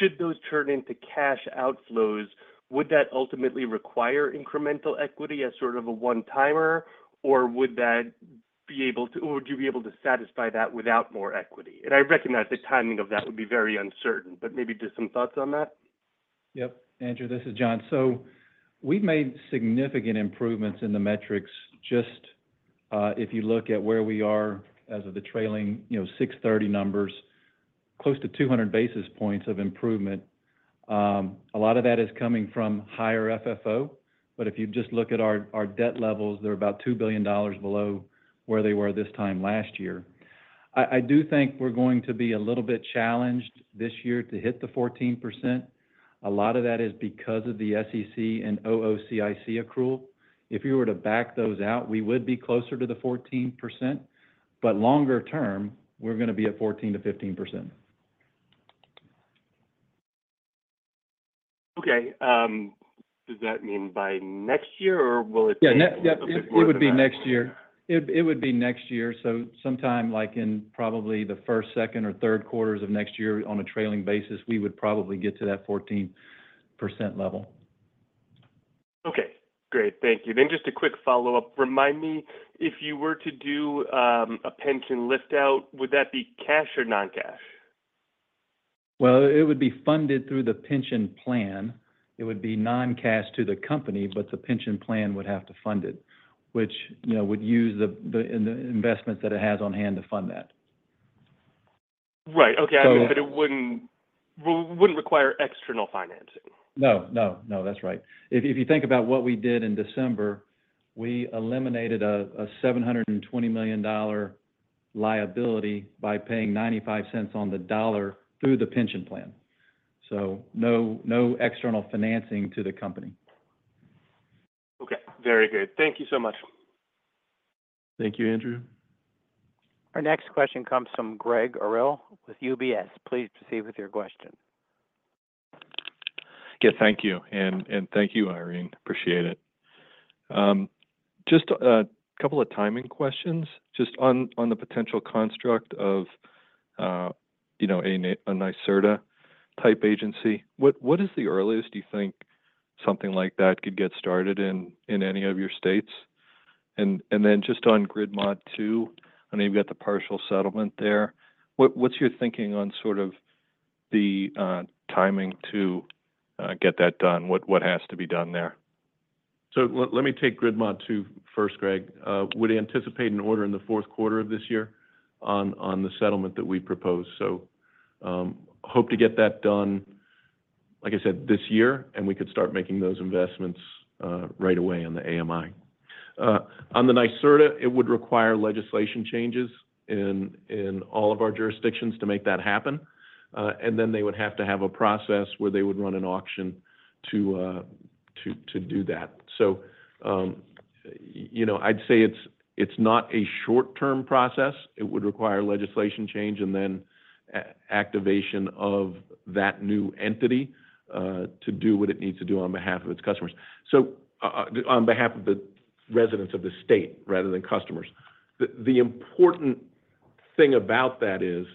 Should those turn into cash outflows, would that ultimately require incremental equity as sort of a one-timer, or would you be able to satisfy that without more equity? And I recognize the timing of that would be very uncertain, but maybe just some thoughts on that. Yep. Andrew, this is Jon. So we've made significant improvements in the metrics, just, if you look at where we are as of the trailing, you know, 6/30 numbers, close to 200 basis points of improvement. A lot of that is coming from higher FFO, but if you just look at our debt levels, they're about $2 billion below where they were this time last year. I do think we're going to be a little bit challenged this year to hit the 14%. A lot of that is because of the SEC and OOCIC accrual. If you were to back those out, we would be closer to the 14%, but longer term, we're gonna be at 14%-15%. Okay. Does that mean by next year, or will it take- Yeah. a bit more than that? It would be next year. It would be next year, so sometime like in probably the first, second, or third quarters of next year, on a trailing basis, we would probably get to that 14% level.... Okay, great. Thank you. Then just a quick follow-up: remind me, if you were to do a pension lift-out, would that be cash or non-cash? Well, it would be funded through the pension plan. It would be non-cash to the company, but the pension plan would have to fund it, which, you know, would use the investments that it has on hand to fund that. Right. Okay. So- I mean, but it wouldn't, well, it wouldn't require external financing? No, no. No, that's right. If you think about what we did in December, we eliminated a $720 million-dollar liability by paying $0.95 on the dollar through the pension plan, so no, no external financing to the company. Okay. Very good. Thank you so much. Thank you, Andrew. Our next question comes from Greg Orrill with UBS. Please proceed with your question. Yeah, thank you, and thank you, Irene. Appreciate it. Just a couple of timing questions, just on the potential construct of a NYSERDA-type agency. What is the earliest you think something like that could get started in any of your states? And, and then just on Grid Mod II, I know you've got the partial settlement there. What's your thinking on sort of the timing to get that done? What has to be done there? So let me take Grid Mod II first, Greg. Would anticipate an order in the fourth quarter of this year on the settlement that we proposed. So, hope to get that done, like I said, this year, and we could start making those investments right away on the AMI. On the NYSERDA, it would require legislation changes in all of our jurisdictions to make that happen, and then they would have to have a process where they would run an auction to do that. So, you know, I'd say it's not a short-term process. It would require legislation change and then activation of that new entity to do what it needs to do on behalf of its customers. So, on behalf of the residents of the state rather than customers. The important thing about that is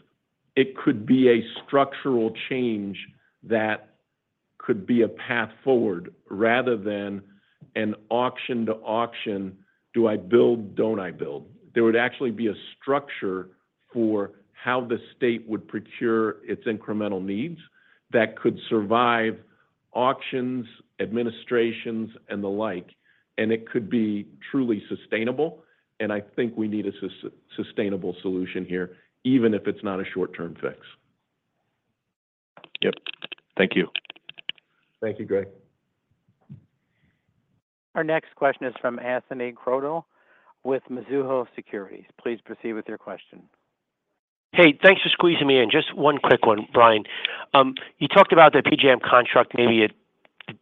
it could be a structural change that could be a path forward, rather than an auction-to-auction, do I build, don't I build? There would actually be a structure for how the state would procure its incremental needs that could survive auctions, administrations, and the like, and it could be truly sustainable, and I think we need a sustainable solution here, even if it's not a short-term fix. Yep. Thank you. Thank you, Greg. Our next question is from Anthony Crowdell with Mizuho Securities. Please proceed with your question. Hey, thanks for squeezing me in. Just one quick one, Brian. You talked about the PJM construct, maybe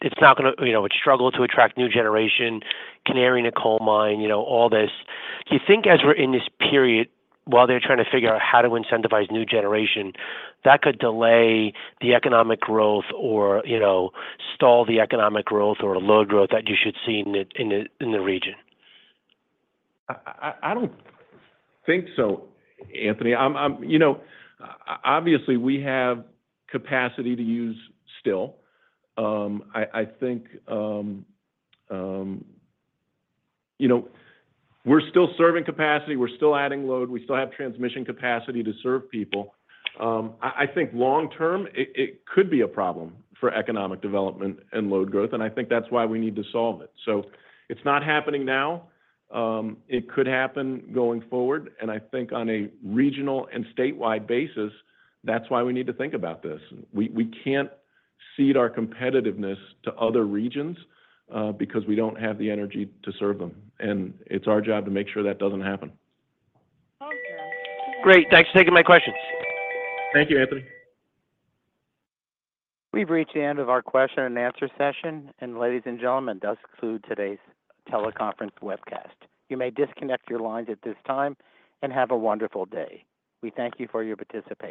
it's not gonna... You know, it struggled to attract new generation, canary in a coal mine, you know, all this. Do you think as we're in this period, while they're trying to figure out how to incentivize new generation, that could delay the economic growth or, you know, stall the economic growth or load growth that you should see in the region? I don't think so, Anthony. I'm, you know, obviously, we have capacity to use still. I think you know, we're still serving capacity, we're still adding load, we still have transmission capacity to serve people. I think long term, it could be a problem for economic development and load growth, and I think that's why we need to solve it. So it's not happening now. It could happen going forward, and I think on a regional and statewide basis, that's why we need to think about this. We can't cede our competitiveness to other regions, because we don't have the energy to serve them, and it's our job to make sure that doesn't happen. Great. Thanks for taking my questions. Thank you, Anthony. We've reached the end of our question-and-answer session, and ladies and gentlemen, does conclude today's teleconference webcast. You may disconnect your lines at this time, and have a wonderful day. We thank you for your participation.